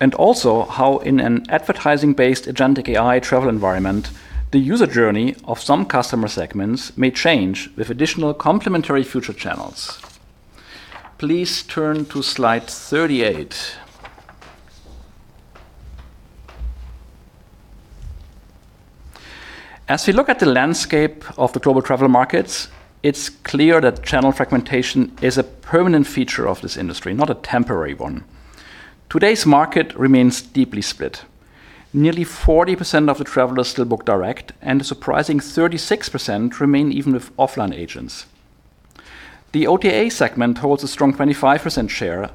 and also how in an advertising-based agentic AI travel environment, the user journey of some customer segments may change with additional complementary future channels. Please turn to slide 38. As we look at the landscape of the global travel markets, it's clear that channel fragmentation is a permanent feature of this industry, not a temporary one. Today's market remains deeply split. Nearly 40% of the travelers still book direct, and a surprising 36% remain even with offline agents. The OTA segment holds a strong 25% share,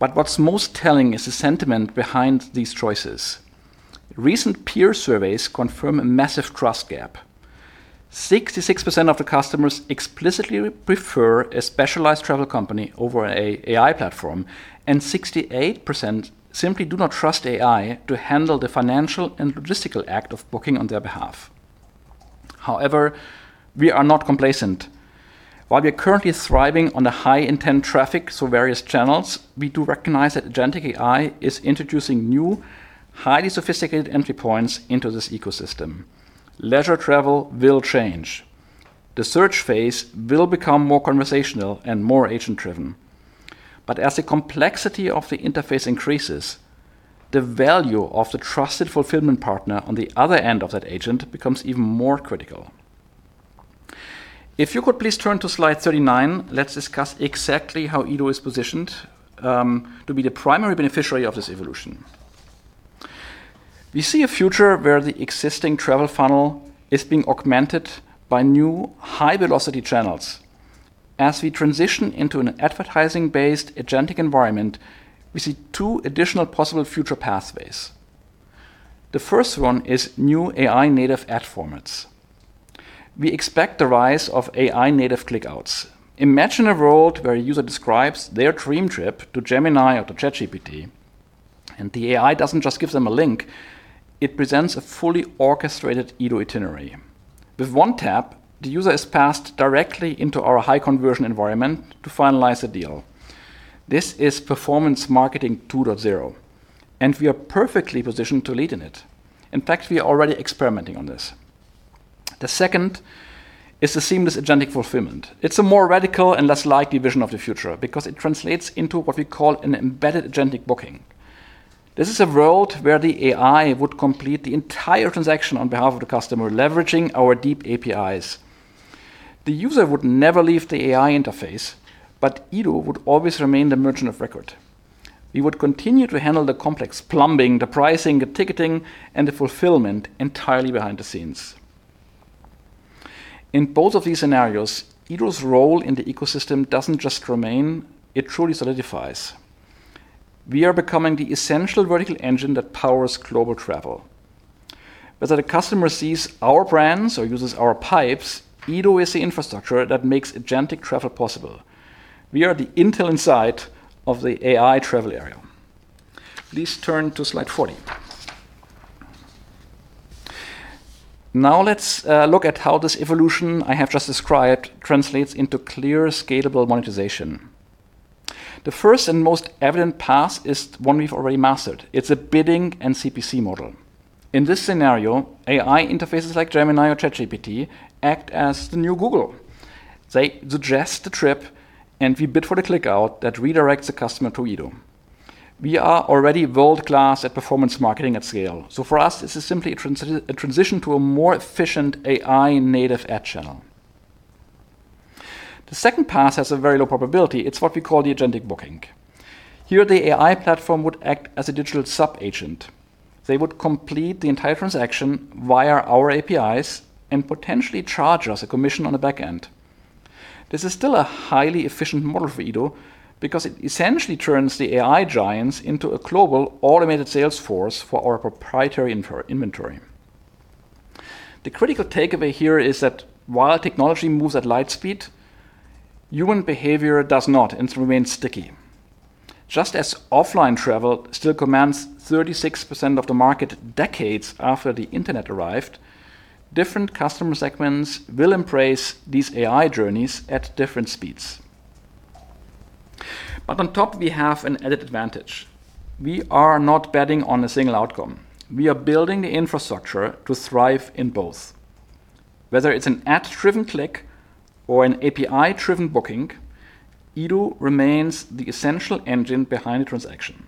but what's most telling is the sentiment behind these choices. Recent peer surveys confirm a massive trust gap. 66% of the customers explicitly prefer a specialized travel company over a AI platform, and 68% simply do not trust AI to handle the financial and logistical act of booking on their behalf. However, we are not complacent. While we are currently thriving on the high intent traffic through various channels, we do recognize that agentic AI is introducing new, highly sophisticated entry points into this ecosystem. Leisure travel will change. The search phase will become more conversational and more agent-driven. But as the complexity of the interface increases, the value of the trusted fulfillment partner on the other end of that agent becomes even more critical. If you could please turn to slide 39, let's discuss exactly how Edo is positioned to be the primary beneficiary of this evolution. We see a future where the existing travel funnel is being augmented by new high-velocity channels. As we transition into an advertising-based agentic environment, we see two additional possible future pathways. The first one is new AI native ad formats. We expect the rise of AI native click outs. Imagine a world where a user describes their dream trip to Gemini or to ChatGPT, and the AI doesn't just give them a link, it presents a fully orchestrated eDO itinerary. With one tap, the user is passed directly into our high conversion environment to finalize the deal. This is performance marketing 2.0, and we are perfectly positioned to lead in it. In fact, we are already experimenting on this. The second is the seamless agentic fulfillment. It's a more radical and less likely vision of the future because it translates into what we call an embedded agentic booking. This is a world where the AI would complete the entire transaction on behalf of the customer, leveraging our deep APIs. eDO would always remain the merchant of record. We would continue to handle the complex plumbing, the pricing, the ticketing, and the fulfillment entirely behind the scenes. In both of these scenarios, Edo's role in the ecosystem doesn't just remain, it truly solidifies. We are becoming the essential vertical engine that powers global travel. Whether the customer sees our brands or uses our pipes, Edo is the infrastructure that makes agentic travel possible. We are the Intel inside of the AI travel area. Please turn to slide 40. Let's look at how this evolution I have just described translates into clear, scalable monetization. The first and most evident path is one we've already mastered. It's a bidding and CPC model. In this scenario, AI interfaces like Gemini or ChatGPT act as the new Google. They suggest the trip, we bid for the click out that redirects the customer to eDO. We are already world-class at performance marketing at scale. For us, this is simply a transition to a more efficient AI native ad channel. The second path has a very low probability. It's what we call the agentic booking. Here, the AI platform would act as a digital sub-agent. They would complete the entire transaction via our APIs and potentially charge us a commission on the back end. This is still a highly efficient model for Edo because it essentially turns the AI giants into a global automated sales force for our proprietary inventory. The critical takeaway here is that while technology moves at light speed, human behavior does not and remains sticky. Just as offline travel still commands 36% of the market decades after the internet arrived, different customer segments will embrace these AI journeys at different speeds. On top, we have an added advantage. We are not betting on a single outcome. We are building the infrastructure to thrive in both. Whether it's an ad-driven click or an API-driven booking, Edo remains the essential engine behind the transaction.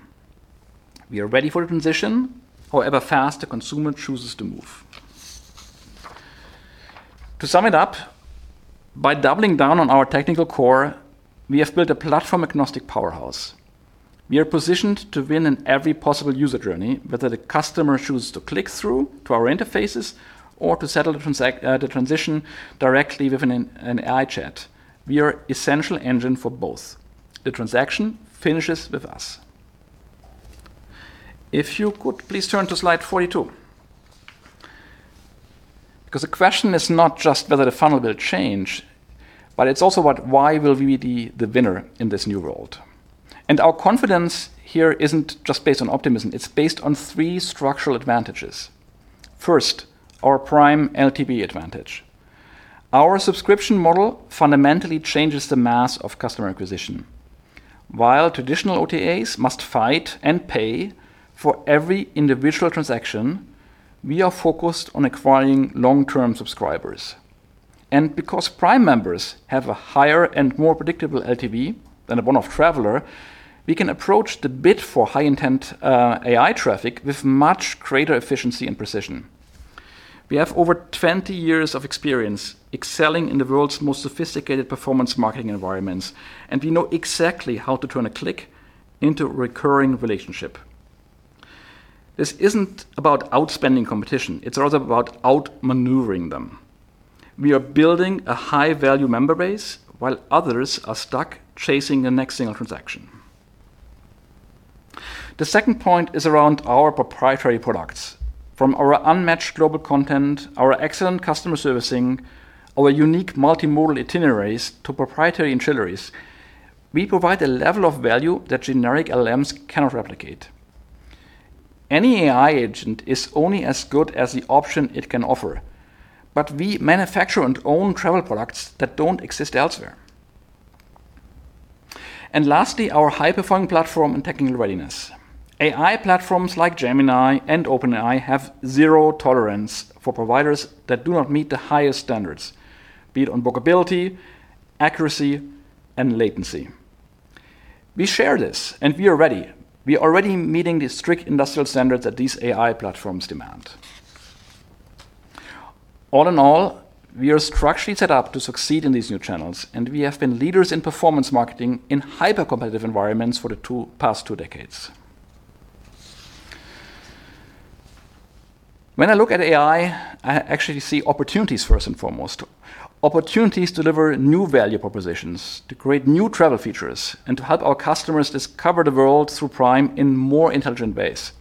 We are ready for the transition, however fast the consumer chooses to move. To sum it up, by doubling down on our technical core, we have built a platform-agnostic powerhouse. We are positioned to win in every possible user journey, whether the customer chooses to click through to our interfaces or to settle the transition directly with an AI chat. We are essential engine for both. The transaction finishes with us. If you could please turn to slide 42. The question is not just whether the funnel will change, but it's also why will we be the winner in this new world? Our confidence here isn't just based on optimism. It's based on three structural advantages. First, our Prime LTV advantage. Our subscription model fundamentally changes the math of customer acquisition. While traditional OTAs must fight and pay for every individual transaction, we are focused on acquiring long-term subscribers. Because Prime members have a higher and more predictable LTV than a one-off traveler, we can approach the bid for high-intent AI traffic with much greater efficiency and precision. We have over 20 years of experience excelling in the world's most sophisticated performance marketing environments, and we know exactly how to turn a click into a recurring relationship. This isn't about outspending competition. It's rather about outmaneuvering them. We are building a high-value member base while others are stuck chasing the next single transaction. The second point is around our proprietary products. From our unmatched global content, our excellent customer servicing, our unique multimodal itineraries to proprietary ancillaries, we provide a level of value that generic LLMs cannot replicate. Any AI agent is only as good as the option it can offer, but we manufacture and own travel products that don't exist elsewhere. Lastly, our high-performing platform and technical readiness. AI platforms like Gemini and OpenAI have zero tolerance for providers that do not meet the highest standards, be it on bookability, accuracy, and latency. We share this, we are ready. We are already meeting the strict industrial standards that these AI platforms demand. All in all, we are structurally set up to succeed in these new channels, and we have been leaders in performance marketing in hyper-competitive environments for the past two decades. When I look at AI, I actually see opportunities first and foremost. Opportunities to deliver new value propositions, to create new travel features, and to help our customers discover the world through Prime in more intelligent ways.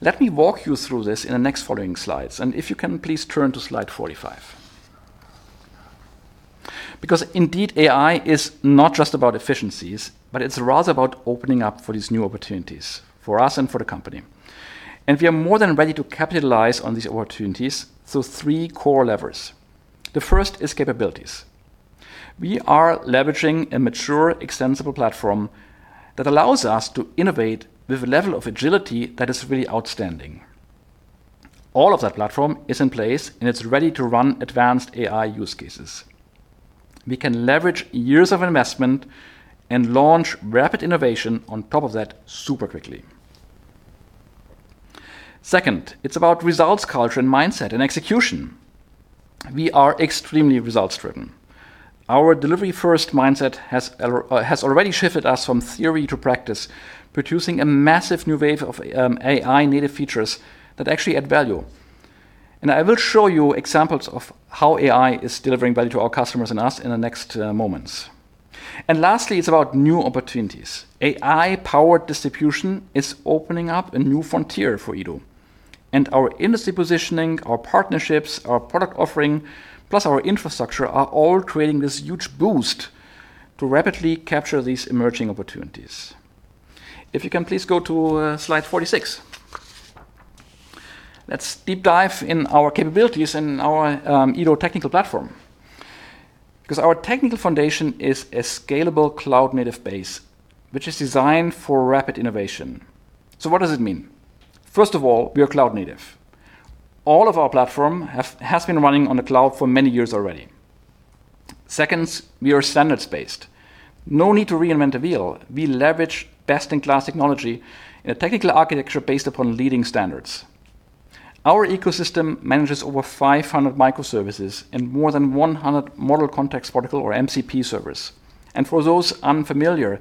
Let me walk you through this in the next following slides, and if you can please turn to slide 45. Indeed, AI is not just about efficiencies, but it's rather about opening up for these new opportunities for us and for the company. We are more than ready to capitalize on these opportunities through three core levers. The first is capabilities. We are leveraging a mature, extensible platform that allows us to innovate with a level of agility that is really outstanding. All of that platform is in place, and it's ready to run advanced AI use cases. We can leverage years of investment and launch rapid innovation on top of that super quickly. Second, it's about results culture and mindset and execution. We are extremely results-driven. Our delivery-first mindset has already shifted us from theory to practice, producing a massive new wave of AI-native features that actually add value. I will show you examples of how AI is delivering value to our customers and us in the next moments. Lastly, it's about new opportunities. AI-powered distribution is opening up a new frontier for Edo. Our industry positioning, our partnerships, our product offering, plus our infrastructure are all creating this huge boost to rapidly capture these emerging opportunities. If you can please go to slide 46. Let's deep dive in our capabilities and our Edo technical platform. Because our technical foundation is a scalable cloud-native base, which is designed for rapid innovation. What does it mean? First of all, we are cloud native. All of our platform has been running on the cloud for many years already. Second, we are standards-based. No need to reinvent the wheel. We leverage best-in-class technology in a technical architecture based upon leading standards. Our ecosystem manages over 500 microservices and more than 100 Model Context Protocol or MCP servers. For those unfamiliar,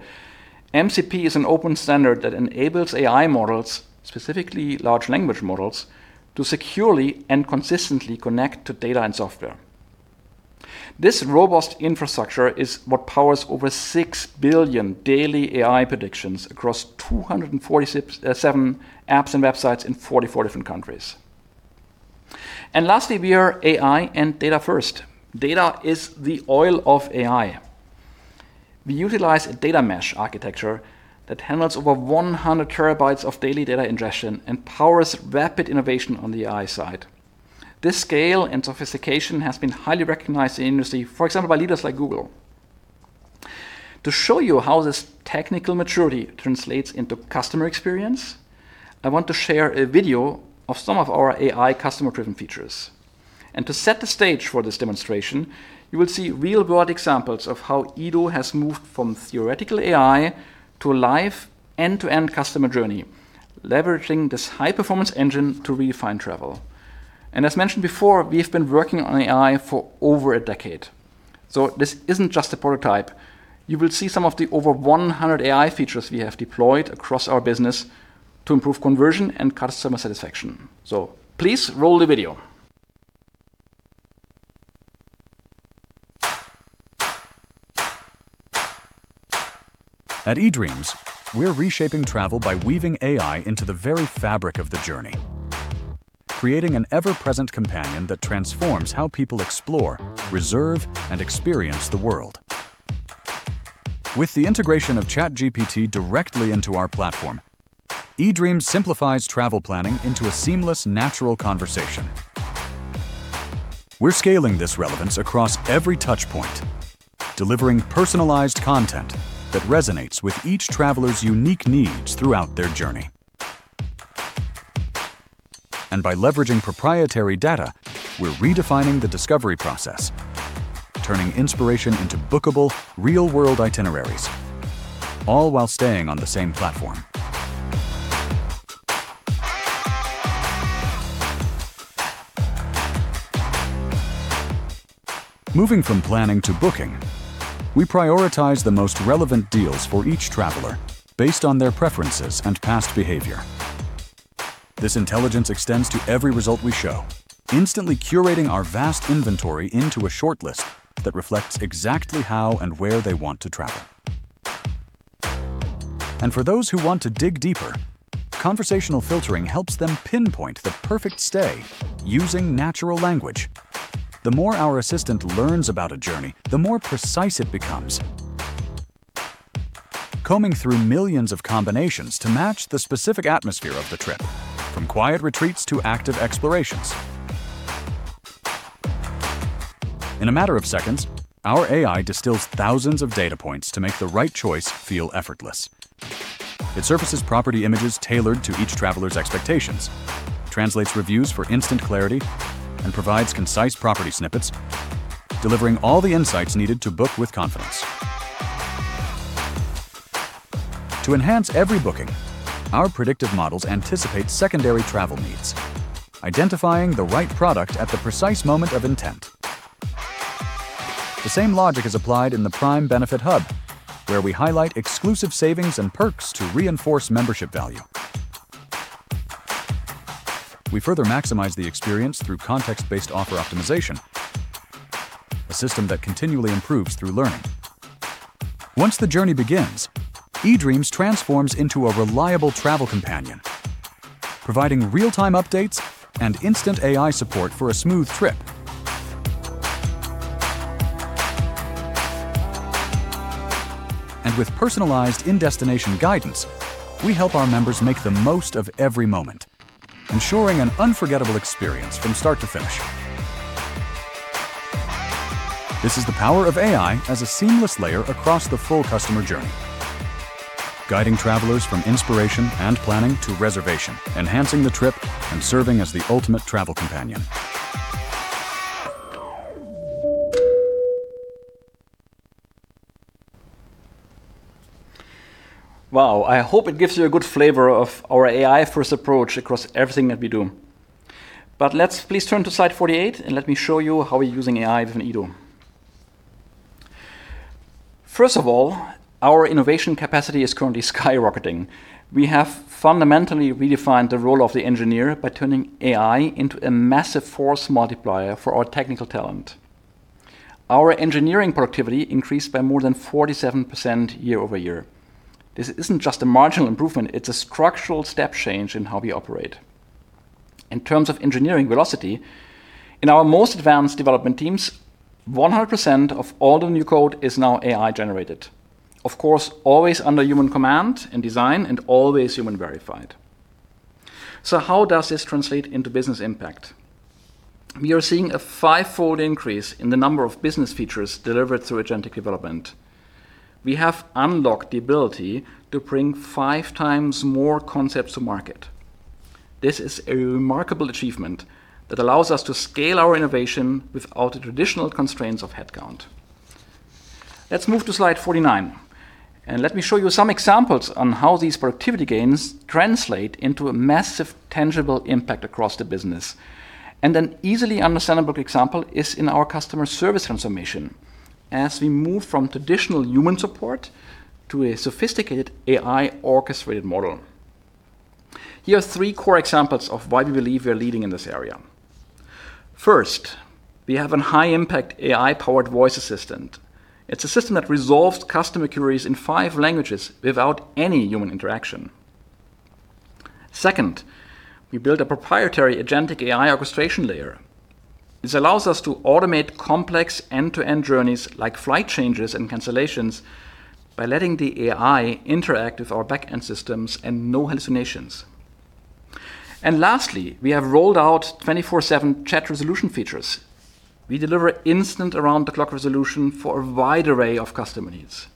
MCP is an open standard that enables AI models, specifically large language models, to securely and consistently connect to data and software. This robust infrastructure is what powers over 6 billion daily AI predictions across 247 apps and websites in 44 different countries. Lastly, we are AI and data first. Data is the oil of AI. We utilize a data mesh architecture that handles over 100 terabytes of daily data ingestion and powers rapid innovation on the AI side. This scale and sophistication has been highly recognized in the industry, for example, by leaders like Google. To show you how this technical maturity translates into customer experience, I want to share a video of some of our AI customer-driven features. To set the stage for this demonstration, you will see real-world examples of how edo has moved from theoretical AI to a live end-to-end customer journey, leveraging this high-performance engine to redefine travel. As mentioned before, we have been working on AI for over a decade, so this isn't just a prototype. You will see some of the over 100 AI features we have deployed across our business to improve conversion and customer satisfaction. Please roll the video. At eDreams, we're reshaping travel by weaving AI into the very fabric of the journey, creating an ever-present companion that transforms how people explore, reserve, and experience the world. With the integration of ChatGPT directly into our platform, eDreams simplifies travel planning into a seamless, natural conversation. We're scaling this relevance across every touch point, delivering personalized content that resonates with each traveler's unique needs throughout their journey. By leveraging proprietary data, we're redefining the discovery process, turning inspiration into bookable real-world itineraries, all while staying on the same platform. Moving from planning to booking, we prioritize the most relevant deals for each traveler based on their preferences and past behavior. This intelligence extends to every result we show, instantly curating our vast inventory into a shortlist that reflects exactly how and where they want to travel. For those who want to dig deeper, conversational filtering helps them pinpoint the perfect stay using natural language. The more our assistant learns about a journey, the more precise it becomes, combing through millions of combinations to match the specific atmosphere of the trip, from quiet retreats to active explorations. In a matter of seconds, our AI distills thousands of data points to make the right choice feel effortless. It surfaces property images tailored to each traveler's expectations, translates reviews for instant clarity, and provides concise property snippets, delivering all the insights needed to book with confidence. To enhance every booking, our predictive models anticipate secondary travel needs, identifying the right product at the precise moment of intent. The same logic is applied in the Prime Benefit Hub, where we highlight exclusive savings and perks to reinforce membership value. We further maximize the experience through context-based offer optimization, a system that continually improves through learning. Once the journey begins, eDreams transforms into a reliable travel companion, providing real-time updates and instant AI support for a smooth trip. With personalized in-destination guidance, we help our members make the most of every moment, ensuring an unforgettable experience from start to finish. This is the power of AI as a seamless layer across the full customer journey, guiding travelers from inspiration and planning to reservation, enhancing the trip, and serving as the ultimate travel companion. Wow. I hope it gives you a good flavor of our AI-first approach across everything that we do. Let's please turn to slide 48, and let me show you how we're using AI within eDO. First of all, our innovation capacity is currently skyrocketing. We have fundamentally redefined the role of the engineer by turning AI into a massive force multiplier for our technical talent. Our engineering productivity increased by more than 47% year-over-year. This isn't just a marginal improvement, it's a structural step change in how we operate. In terms of engineering velocity, in our most advanced development teams, 100% of all the new code is now AI generated. Of course, always under human command and design, always human verified. How does this translate into business impact? We are seeing a 5x increase in the number of business features delivered through agentic development. We have unlocked the ability to bring 5 times more concepts to market. This is a remarkable achievement that allows us to scale our innovation without the traditional constraints of headcount. Let's move to slide 49, and let me show you some examples on how these productivity gains translate into a massive tangible impact across the business. An easily understandable example is in our customer service transformation as we move from traditional human support to a sophisticated AI orchestrated model. Here are three core examples of why we believe we are leading in this area. First, we have a high-impact AI-powered voice assistant. It's a system that resolves customer queries in five languages without any human interaction. Second, we built a proprietary agentic AI orchestration layer. This allows us to automate complex end-to-end journeys like flight changes and cancellations by letting the AI interact with our back-end systems and no hallucinations. Lastly, we have rolled out 24/7 chat resolution features. We deliver instant around-the-clock resolution for a wide array of customer needs.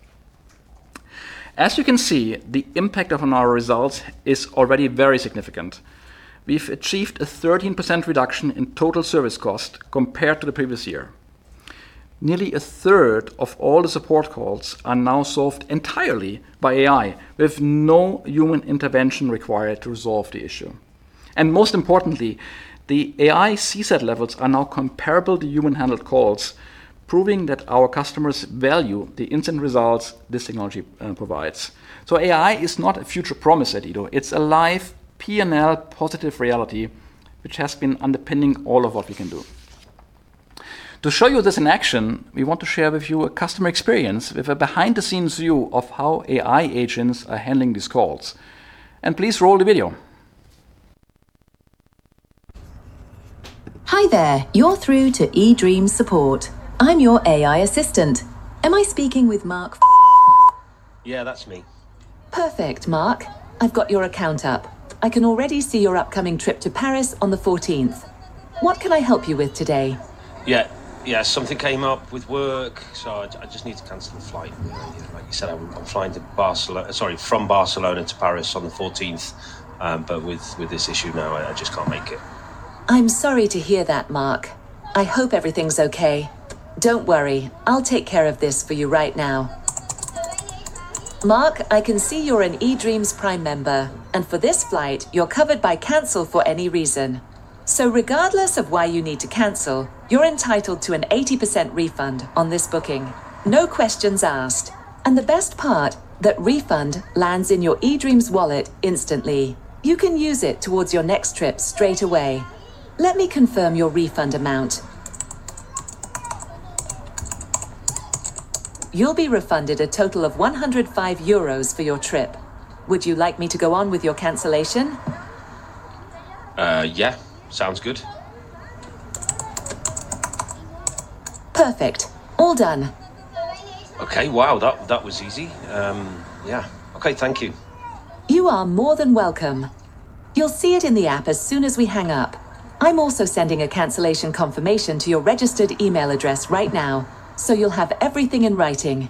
As you can see, the impact of on our results is already very significant. We've achieved a 13% reduction in total service cost compared to the previous year. Nearly a third of all the support calls are now solved entirely by AI with no human intervention required to resolve the issue. Most importantly, the AI CSAT levels are now comparable to human-handled calls, proving that our customers value the instant results this technology provides. AI is not a future promise at Edo. It's a live P&L positive reality which has been underpinning all of what we can do. To show you this in action, we want to share with you a customer experience with a behind-the-scenes view of how AI agents are handling these calls. Please roll the video. Hi there. You're through to eDreams Support. I'm your AI assistant. Am I speaking with Mark? Yeah, that's me. Perfect, Mark. I've got your account up. I can already see your upcoming trip to Paris on the 14th. What can I help you with today? Yeah. Something came up with work, so I just need to cancel the flight. Like you said, I am flying to Barcelona, sorry, from Barcelona to Paris on the 14th. With this issue, no, I just cannot make it. I'm sorry to hear that, Mark. I hope everything's okay. Don't worry. I'll take care of this for you right now. Mark, I can see you're an eDreams Prime member, and for this flight, you're covered by Cancel for Any Reason. Regardless of why you need to cancel, you're entitled to an 80% refund on this booking, no questions asked. The best part, that refund lands in your eDreams Wallet instantly. You can use it towards your next trip straight away. Let me confirm your refund amount. You'll be refunded a total of 105 euros for your trip. Would you like me to go on with your cancellation? Yeah. Sounds good. Perfect. All done. Okay. Wow. That was easy. Yeah. Okay, thank you. You are more than welcome. You'll see it in the app as soon as we hang up. I'm also sending a cancellation confirmation to your registered email address right now, so you'll have everything in writing.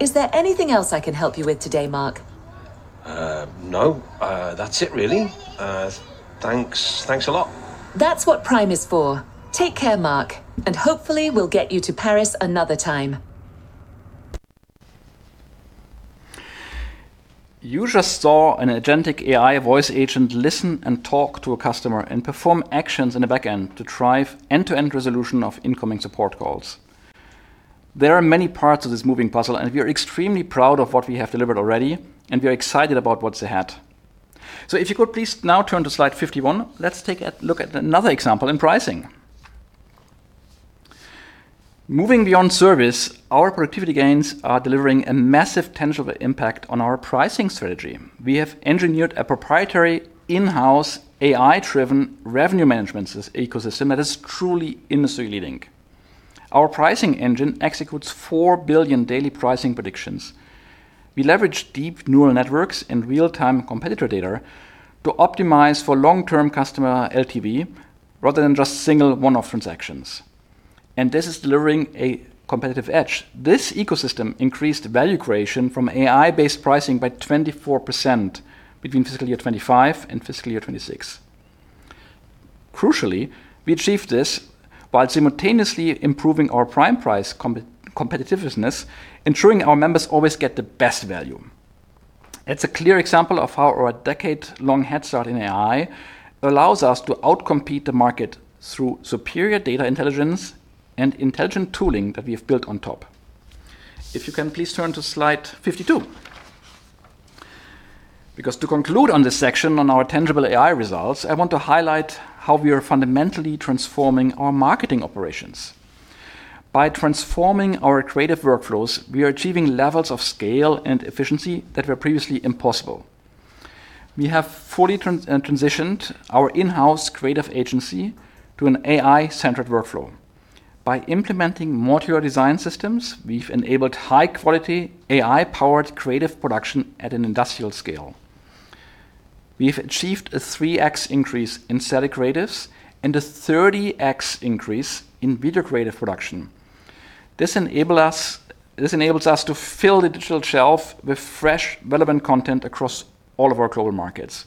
Is there anything else I can help you with today, Mark? No. That's it, really. Thanks. Thanks a lot. That's what Prime is for. Take care, Mark, and hopefully we'll get you to Paris another time. You just saw an agentic AI voice agent listen and talk to a customer and perform actions in the back end to drive end-to-end resolution of incoming support calls. There are many parts of this moving puzzle, and we are extremely proud of what we have delivered already, and we are excited about what's ahead. If you could please now turn to slide 51, let's take a look at another example in pricing. Moving beyond service, our productivity gains are delivering a massive tangible impact on our pricing strategy. We have engineered a proprietary in-house AI-driven revenue management ecosystem that is truly industry-leading. Our pricing engine executes 4 billion daily pricing predictions. We leverage deep neural networks and real-time competitor data to optimize for long-term customer LTV rather than just single one-off transactions. This is delivering a competitive edge. This ecosystem increased value creation from AI-based pricing by 24% between FY 2025 and FY 2026. Crucially, we achieved this while simultaneously improving our Prime price competitiveness, ensuring our members always get the best value. It's a clear example of how our decade-long head start in AI allows us to outcompete the market through superior data intelligence and intelligent tooling that we have built on top. If you can please turn to slide 52. To conclude on this section on our tangible AI results, I want to highlight how we are fundamentally transforming our marketing operations. By transforming our creative workflows, we are achieving levels of scale and efficiency that were previously impossible. We have fully transitioned our in-house creative agency to an AI-centric workflow. By implementing modular design systems, we've enabled high-quality AI-powered creative production at an industrial scale. We've achieved a 3x increase in static creatives and a 30x increase in video creative production. This enables us to fill the digital shelf with fresh, relevant content across all of our global markets.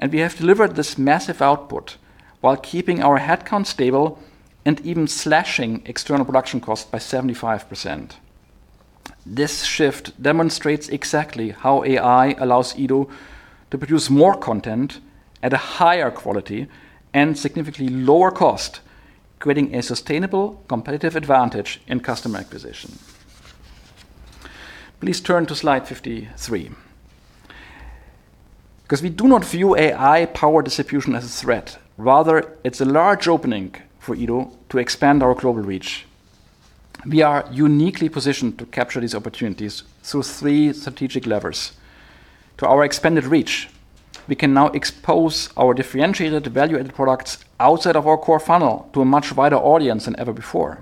We have delivered this massive output while keeping our headcount stable and even slashing external production costs by 75%. This shift demonstrates exactly how AI allows eDO to produce more content at a higher quality and significantly lower cost, creating a sustainable competitive advantage in customer acquisition. Please turn to slide 53. We do not view AI power distribution as a threat, rather it's a large opening for eDO to expand our global reach. We are uniquely positioned to capture these opportunities through three strategic levers. To our expanded reach, we can now expose our differentiated value-added products outside of our core funnel to a much wider audience than ever before.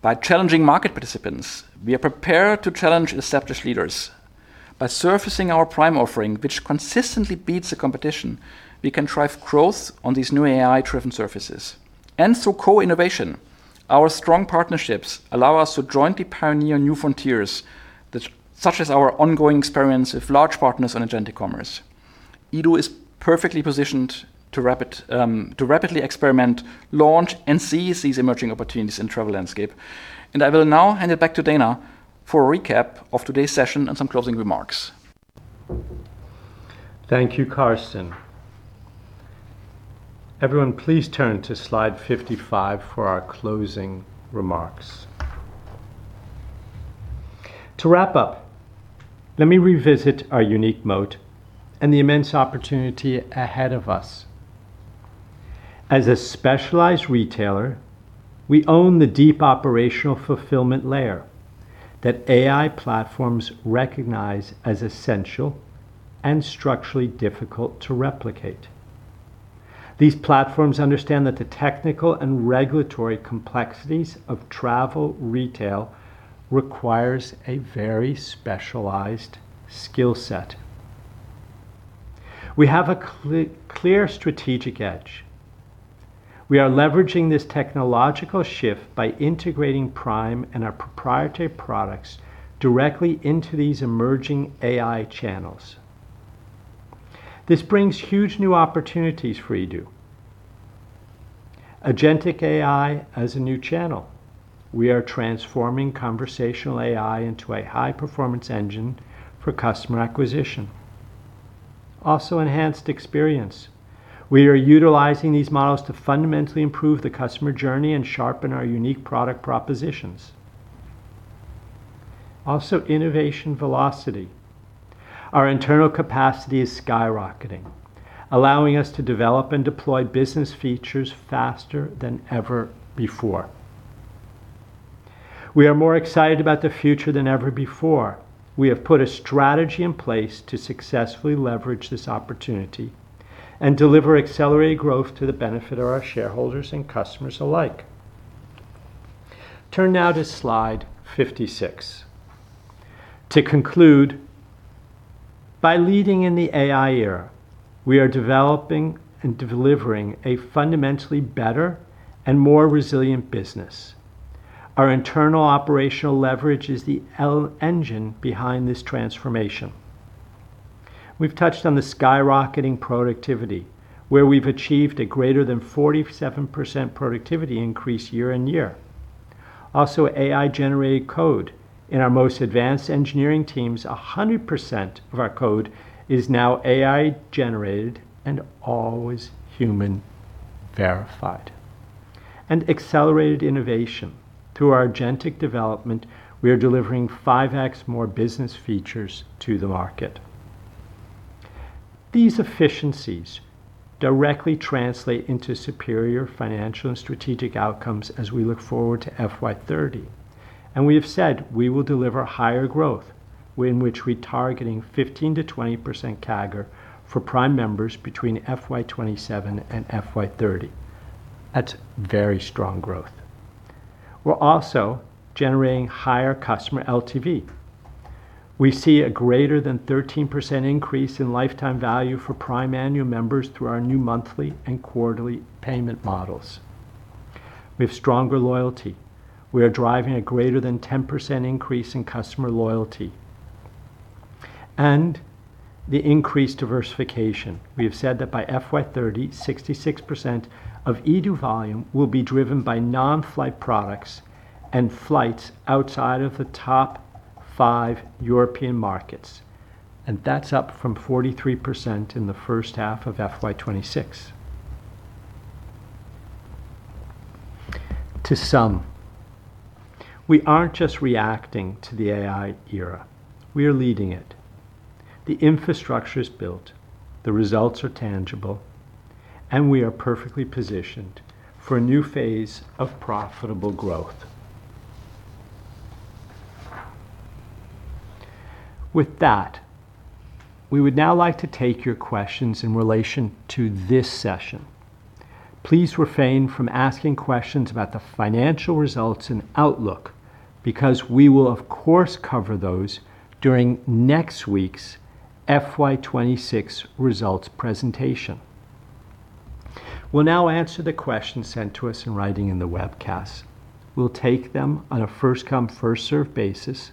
By challenging market participants, we are prepared to challenge established leaders. By surfacing our Prime offering, which consistently beats the competition, we can drive growth on these new AI-driven surfaces. Through co-innovation, our strong partnerships allow us to jointly pioneer new frontiers such as our ongoing experience with large partners on agentic commerce. eDO is perfectly positioned to rapidly experiment, launch, and seize these emerging opportunities in travel landscape. I will now hand it back to Dana for a recap of today's session and some closing remarks. Thank you, Carsten. Everyone, please turn to slide 55 for our closing remarks. To wrap up, let me revisit our unique moat and the immense opportunity ahead of us. As a specialized retailer, we own the deep operational fulfillment layer that AI platforms recognize as essential and structurally difficult to replicate. These platforms understand that the technical and regulatory complexities of travel retail requires a very specialized skill set. We have a clear strategic edge. We are leveraging this technological shift by integrating Prime and our proprietary products directly into these emerging AI channels. This brings huge new opportunities for edo. agentic AI as a new channel, we are transforming conversational AI into a high-performance engine for customer acquisition. Also enhanced experience, we are utilizing these models to fundamentally improve the customer journey and sharpen our unique product propositions. Innovation velocity, our internal capacity is skyrocketing, allowing us to develop and deploy business features faster than ever before. We are more excited about the future than ever before. We have put a strategy in place to successfully leverage this opportunity and deliver accelerated growth to the benefit of our shareholders and customers alike. Turn now to slide 56. To conclude, by leading in the AI era, we are developing and delivering a fundamentally better and more resilient business. Our internal operational leverage is the engine behind this transformation. We've touched on the skyrocketing productivity, where we've achieved a greater than 47% productivity increase year-on-year. AI-generated code. In our most advanced engineering teams, 100% of our code is now AI-generated and always human verified. Accelerated innovation. Through our agentic development, we are delivering 5x more business features to the market. These efficiencies directly translate into superior financial and strategic outcomes as we look forward to FY 2030. We have said we will deliver higher growth, in which we're targeting 15% to 20% CAGR for Prime members between FY 2027 and FY 2030. That's very strong growth. We're also generating higher customer LTV. We see a greater than 13% increase in lifetime value for Prime annual members through our new monthly and quarterly payment models. We have stronger loyalty. We are driving a greater than 10% increase in customer loyalty. The increased diversification. We have said that by FY 2030, 66% of edo volume will be driven by non-flight products and flights outside of the top five European markets, and that's up from 43% in the first half of FY 2026. To sum, we aren't just reacting to the AI era, we are leading it. The infrastructure is built, the results are tangible, and we are perfectly positioned for a new phase of profitable growth. With that, we would now like to take your questions in relation to this session. Please refrain from asking questions about the financial results and outlook because we will of course cover those during next week's FY26 results presentation. We'll now answer the questions sent to us in writing in the webcast. We'll take them on a first come, first served basis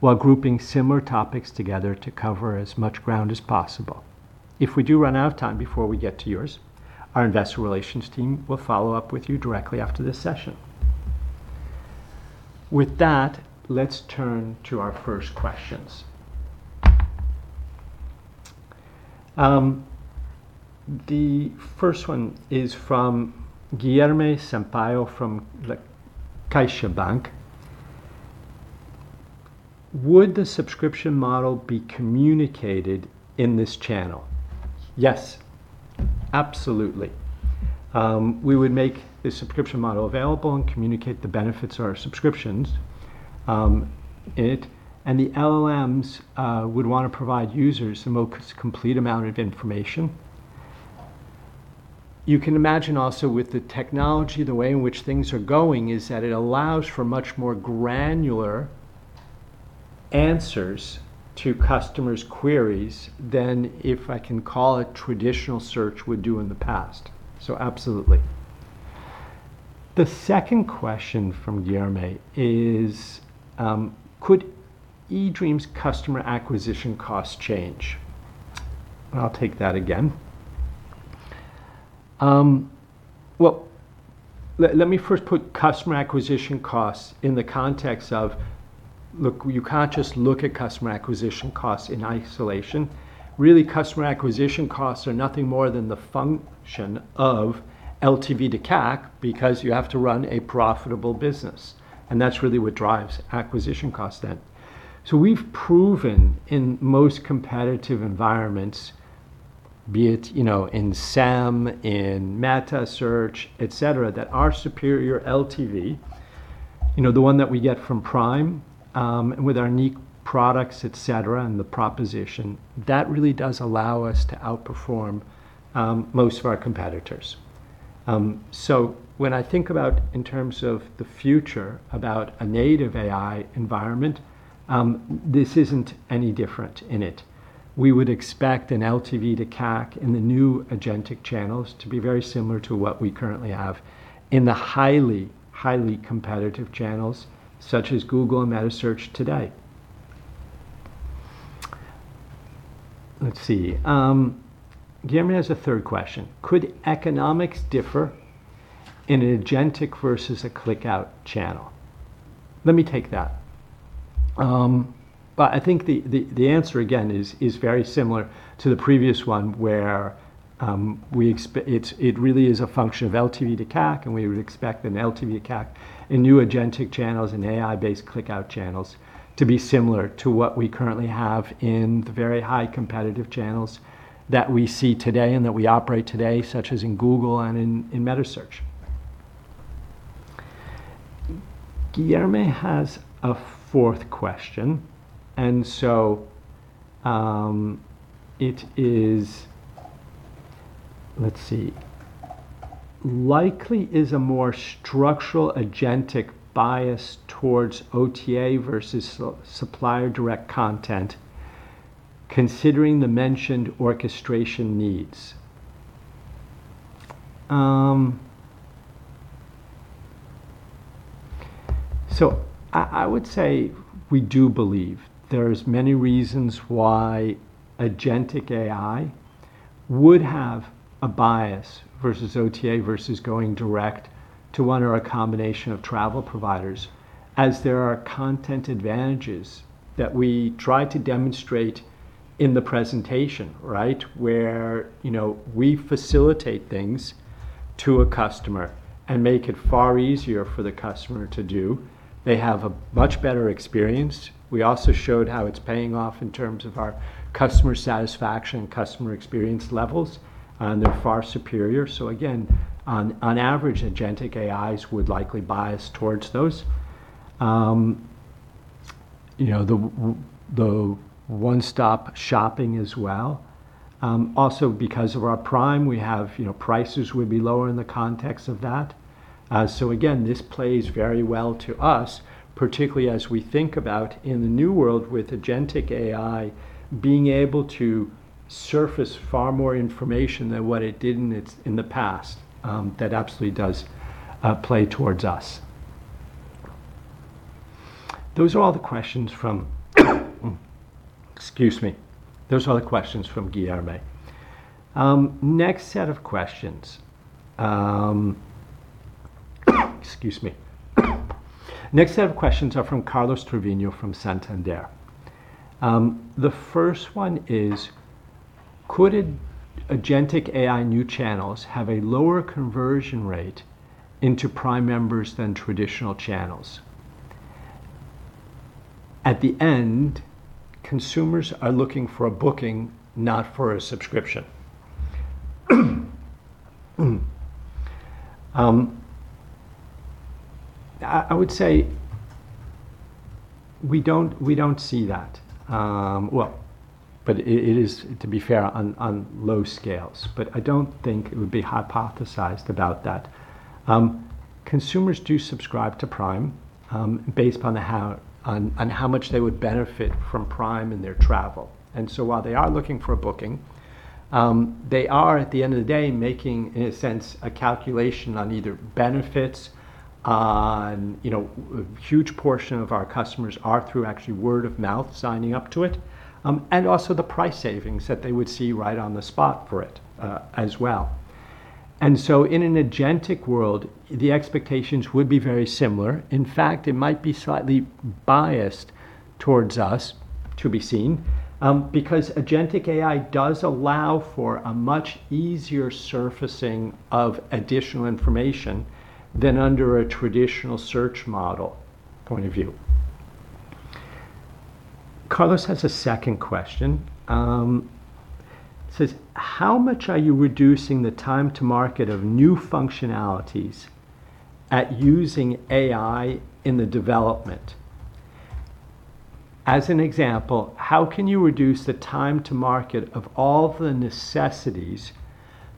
while grouping similar topics together to cover as much ground as possible. If we do run out of time before we get to yours, our Investor Relations team will follow up with you directly after this session. With that, let's turn to our first questions. The first one is from Guilherme Sampaio from CaixaBank. Would the subscription model be communicated in this channel? Yes, absolutely. We would make the subscription model available and communicate the benefits of our subscriptions. It. The LLMs would want to provide users the most complete amount of information. You can imagine also with the technology, the way in which things are going, is that it allows for much more granular answers to customers' queries than if, I can call it, traditional search would do in the past. Absolutely. The second question from Guilherme is, could eDreams customer acquisition costs change? I'll take that again. Well, let me first put customer acquisition costs in the context of, look, you can't just look at customer acquisition costs in isolation. Really, customer acquisition costs are nothing more than the function of LTV to CAC because you have to run a profitable business, and that's really what drives acquisition costs then. We've proven in most competitive environments, be it, you know, in SEM, in metasearch, et cetera, that our superior LTV, you know, the one that we get from Prime, with our unique products, et cetera, and the proposition, that really does allow us to outperform most of our competitors. When I think about in terms of the future about a native AI environment, this isn't any different in it. We would expect an LTV to CAC in the new agentic channels to be very similar to what we currently have in the highly competitive channels such as Google and metasearch today. Let's see. Guilherme has a third question. Could economics differ in an agentic versus a click-out channel? Let me take that. I think the answer again is very similar to the previous one where we expect it really is a function of LTV to CAC, and we would expect an LTV to CAC in new agentic channels and AI-based click-out channels to be similar to what we currently have in the very high competitive channels that we see today and that we operate today, such as in Google and in metasearch. Guilherme has a fourth question. likely is a more structural agentic bias towards OTA versus supplier direct content considering the mentioned orchestration needs. I would say we do believe there's many reasons why agentic AI would have a bias versus OTA versus going direct to one or a combination of travel providers as there are content advantages that we try to demonstrate in the presentation, right? Where, you know, we facilitate things to a customer and make it far easier for the customer to do. They have a much better experience. We also showed how it's paying off in terms of our customer satisfaction and customer experience levels, and they're far superior. Again, on average, agentic AIs would likely bias towards those. You know, the one-stop shopping as well. Also because of our Prime, we have, you know, prices would be lower in the context of that. Again, this plays very well to us, particularly as we think about in the new world with agentic AI being able to surface far more information than what it did in the past. That absolutely does play towards us. Excuse me. Those are all the questions from Guilherme. Next set of questions, excuse me. Next set of questions are from Carlos Treviño from Santander. The first one is, could agentic AI new channels have a lower conversion rate into Prime members than traditional channels? At the end, consumers are looking for a booking, not for a subscription. I would say we don't see that. Well, it is, to be fair, on low scales, but I don't think it would be hypothesized about that. Consumers do subscribe to Prime based upon how much they would benefit from Prime in their travel. While they are looking for a booking, they are at the end of the day making, in a sense, a calculation on either benefits, you know, a huge portion of our customers are through actually word of mouth signing up to it, and also the price savings that they would see right on the spot for it as well. In an agentic world, the expectations would be very similar. In fact, it might be slightly biased towards us to be seen, because agentic AI does allow for a much easier surfacing of additional information than under a traditional search model point of view. Carlos has a second question. It says, "How much are you reducing the time to market of new functionalities at using AI in the development? As an example, how can you reduce the time to market of all the necessities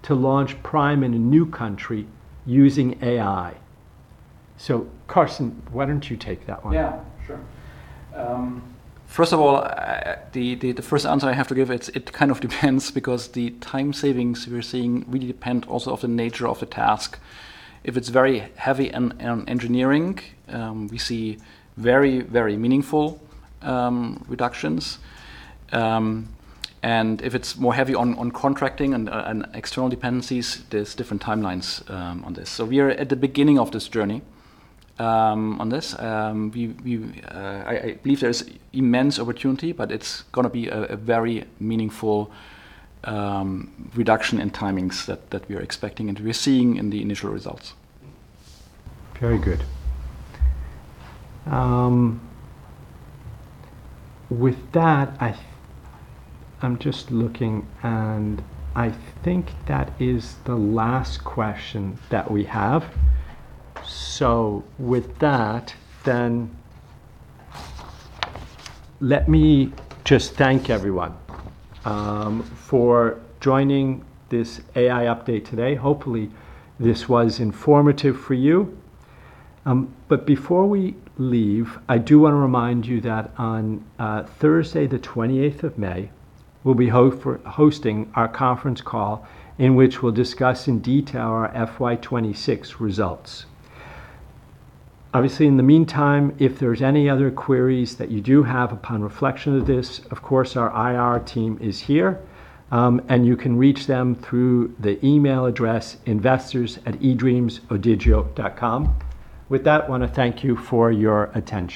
to launch Prime in a new country using AI?" Carsten Bernhard, why don't you take that one? Yeah. Sure. First of all, the first answer I have to give, it kind of depends because the time savings we're seeing really depend also of the nature of the task. If it's very heavy on engineering, we see very meaningful reductions. If it's more heavy on contracting and external dependencies, there's different timelines on this. We are at the beginning of this journey on this. I believe there's immense opportunity, but it's gonna be a very meaningful reduction in timings that we are expecting and we're seeing in the initial results. Very good. With that, I'm just looking, I think that is the last question that we have. With that, let me just thank everyone for joining this AI update today. Hopefully, this was informative for you. Before we leave, I do want to remind you that on Thursday the 28th of May, we'll be hosting our conference call in which we'll discuss in detail our FY 2026 results. Obviously, in the meantime, if there's any other queries that you do have upon reflection of this, of course, our IR team is here, you can reach them through the email address investors@edreamsodigeo.com. With that, want to thank you for your attention.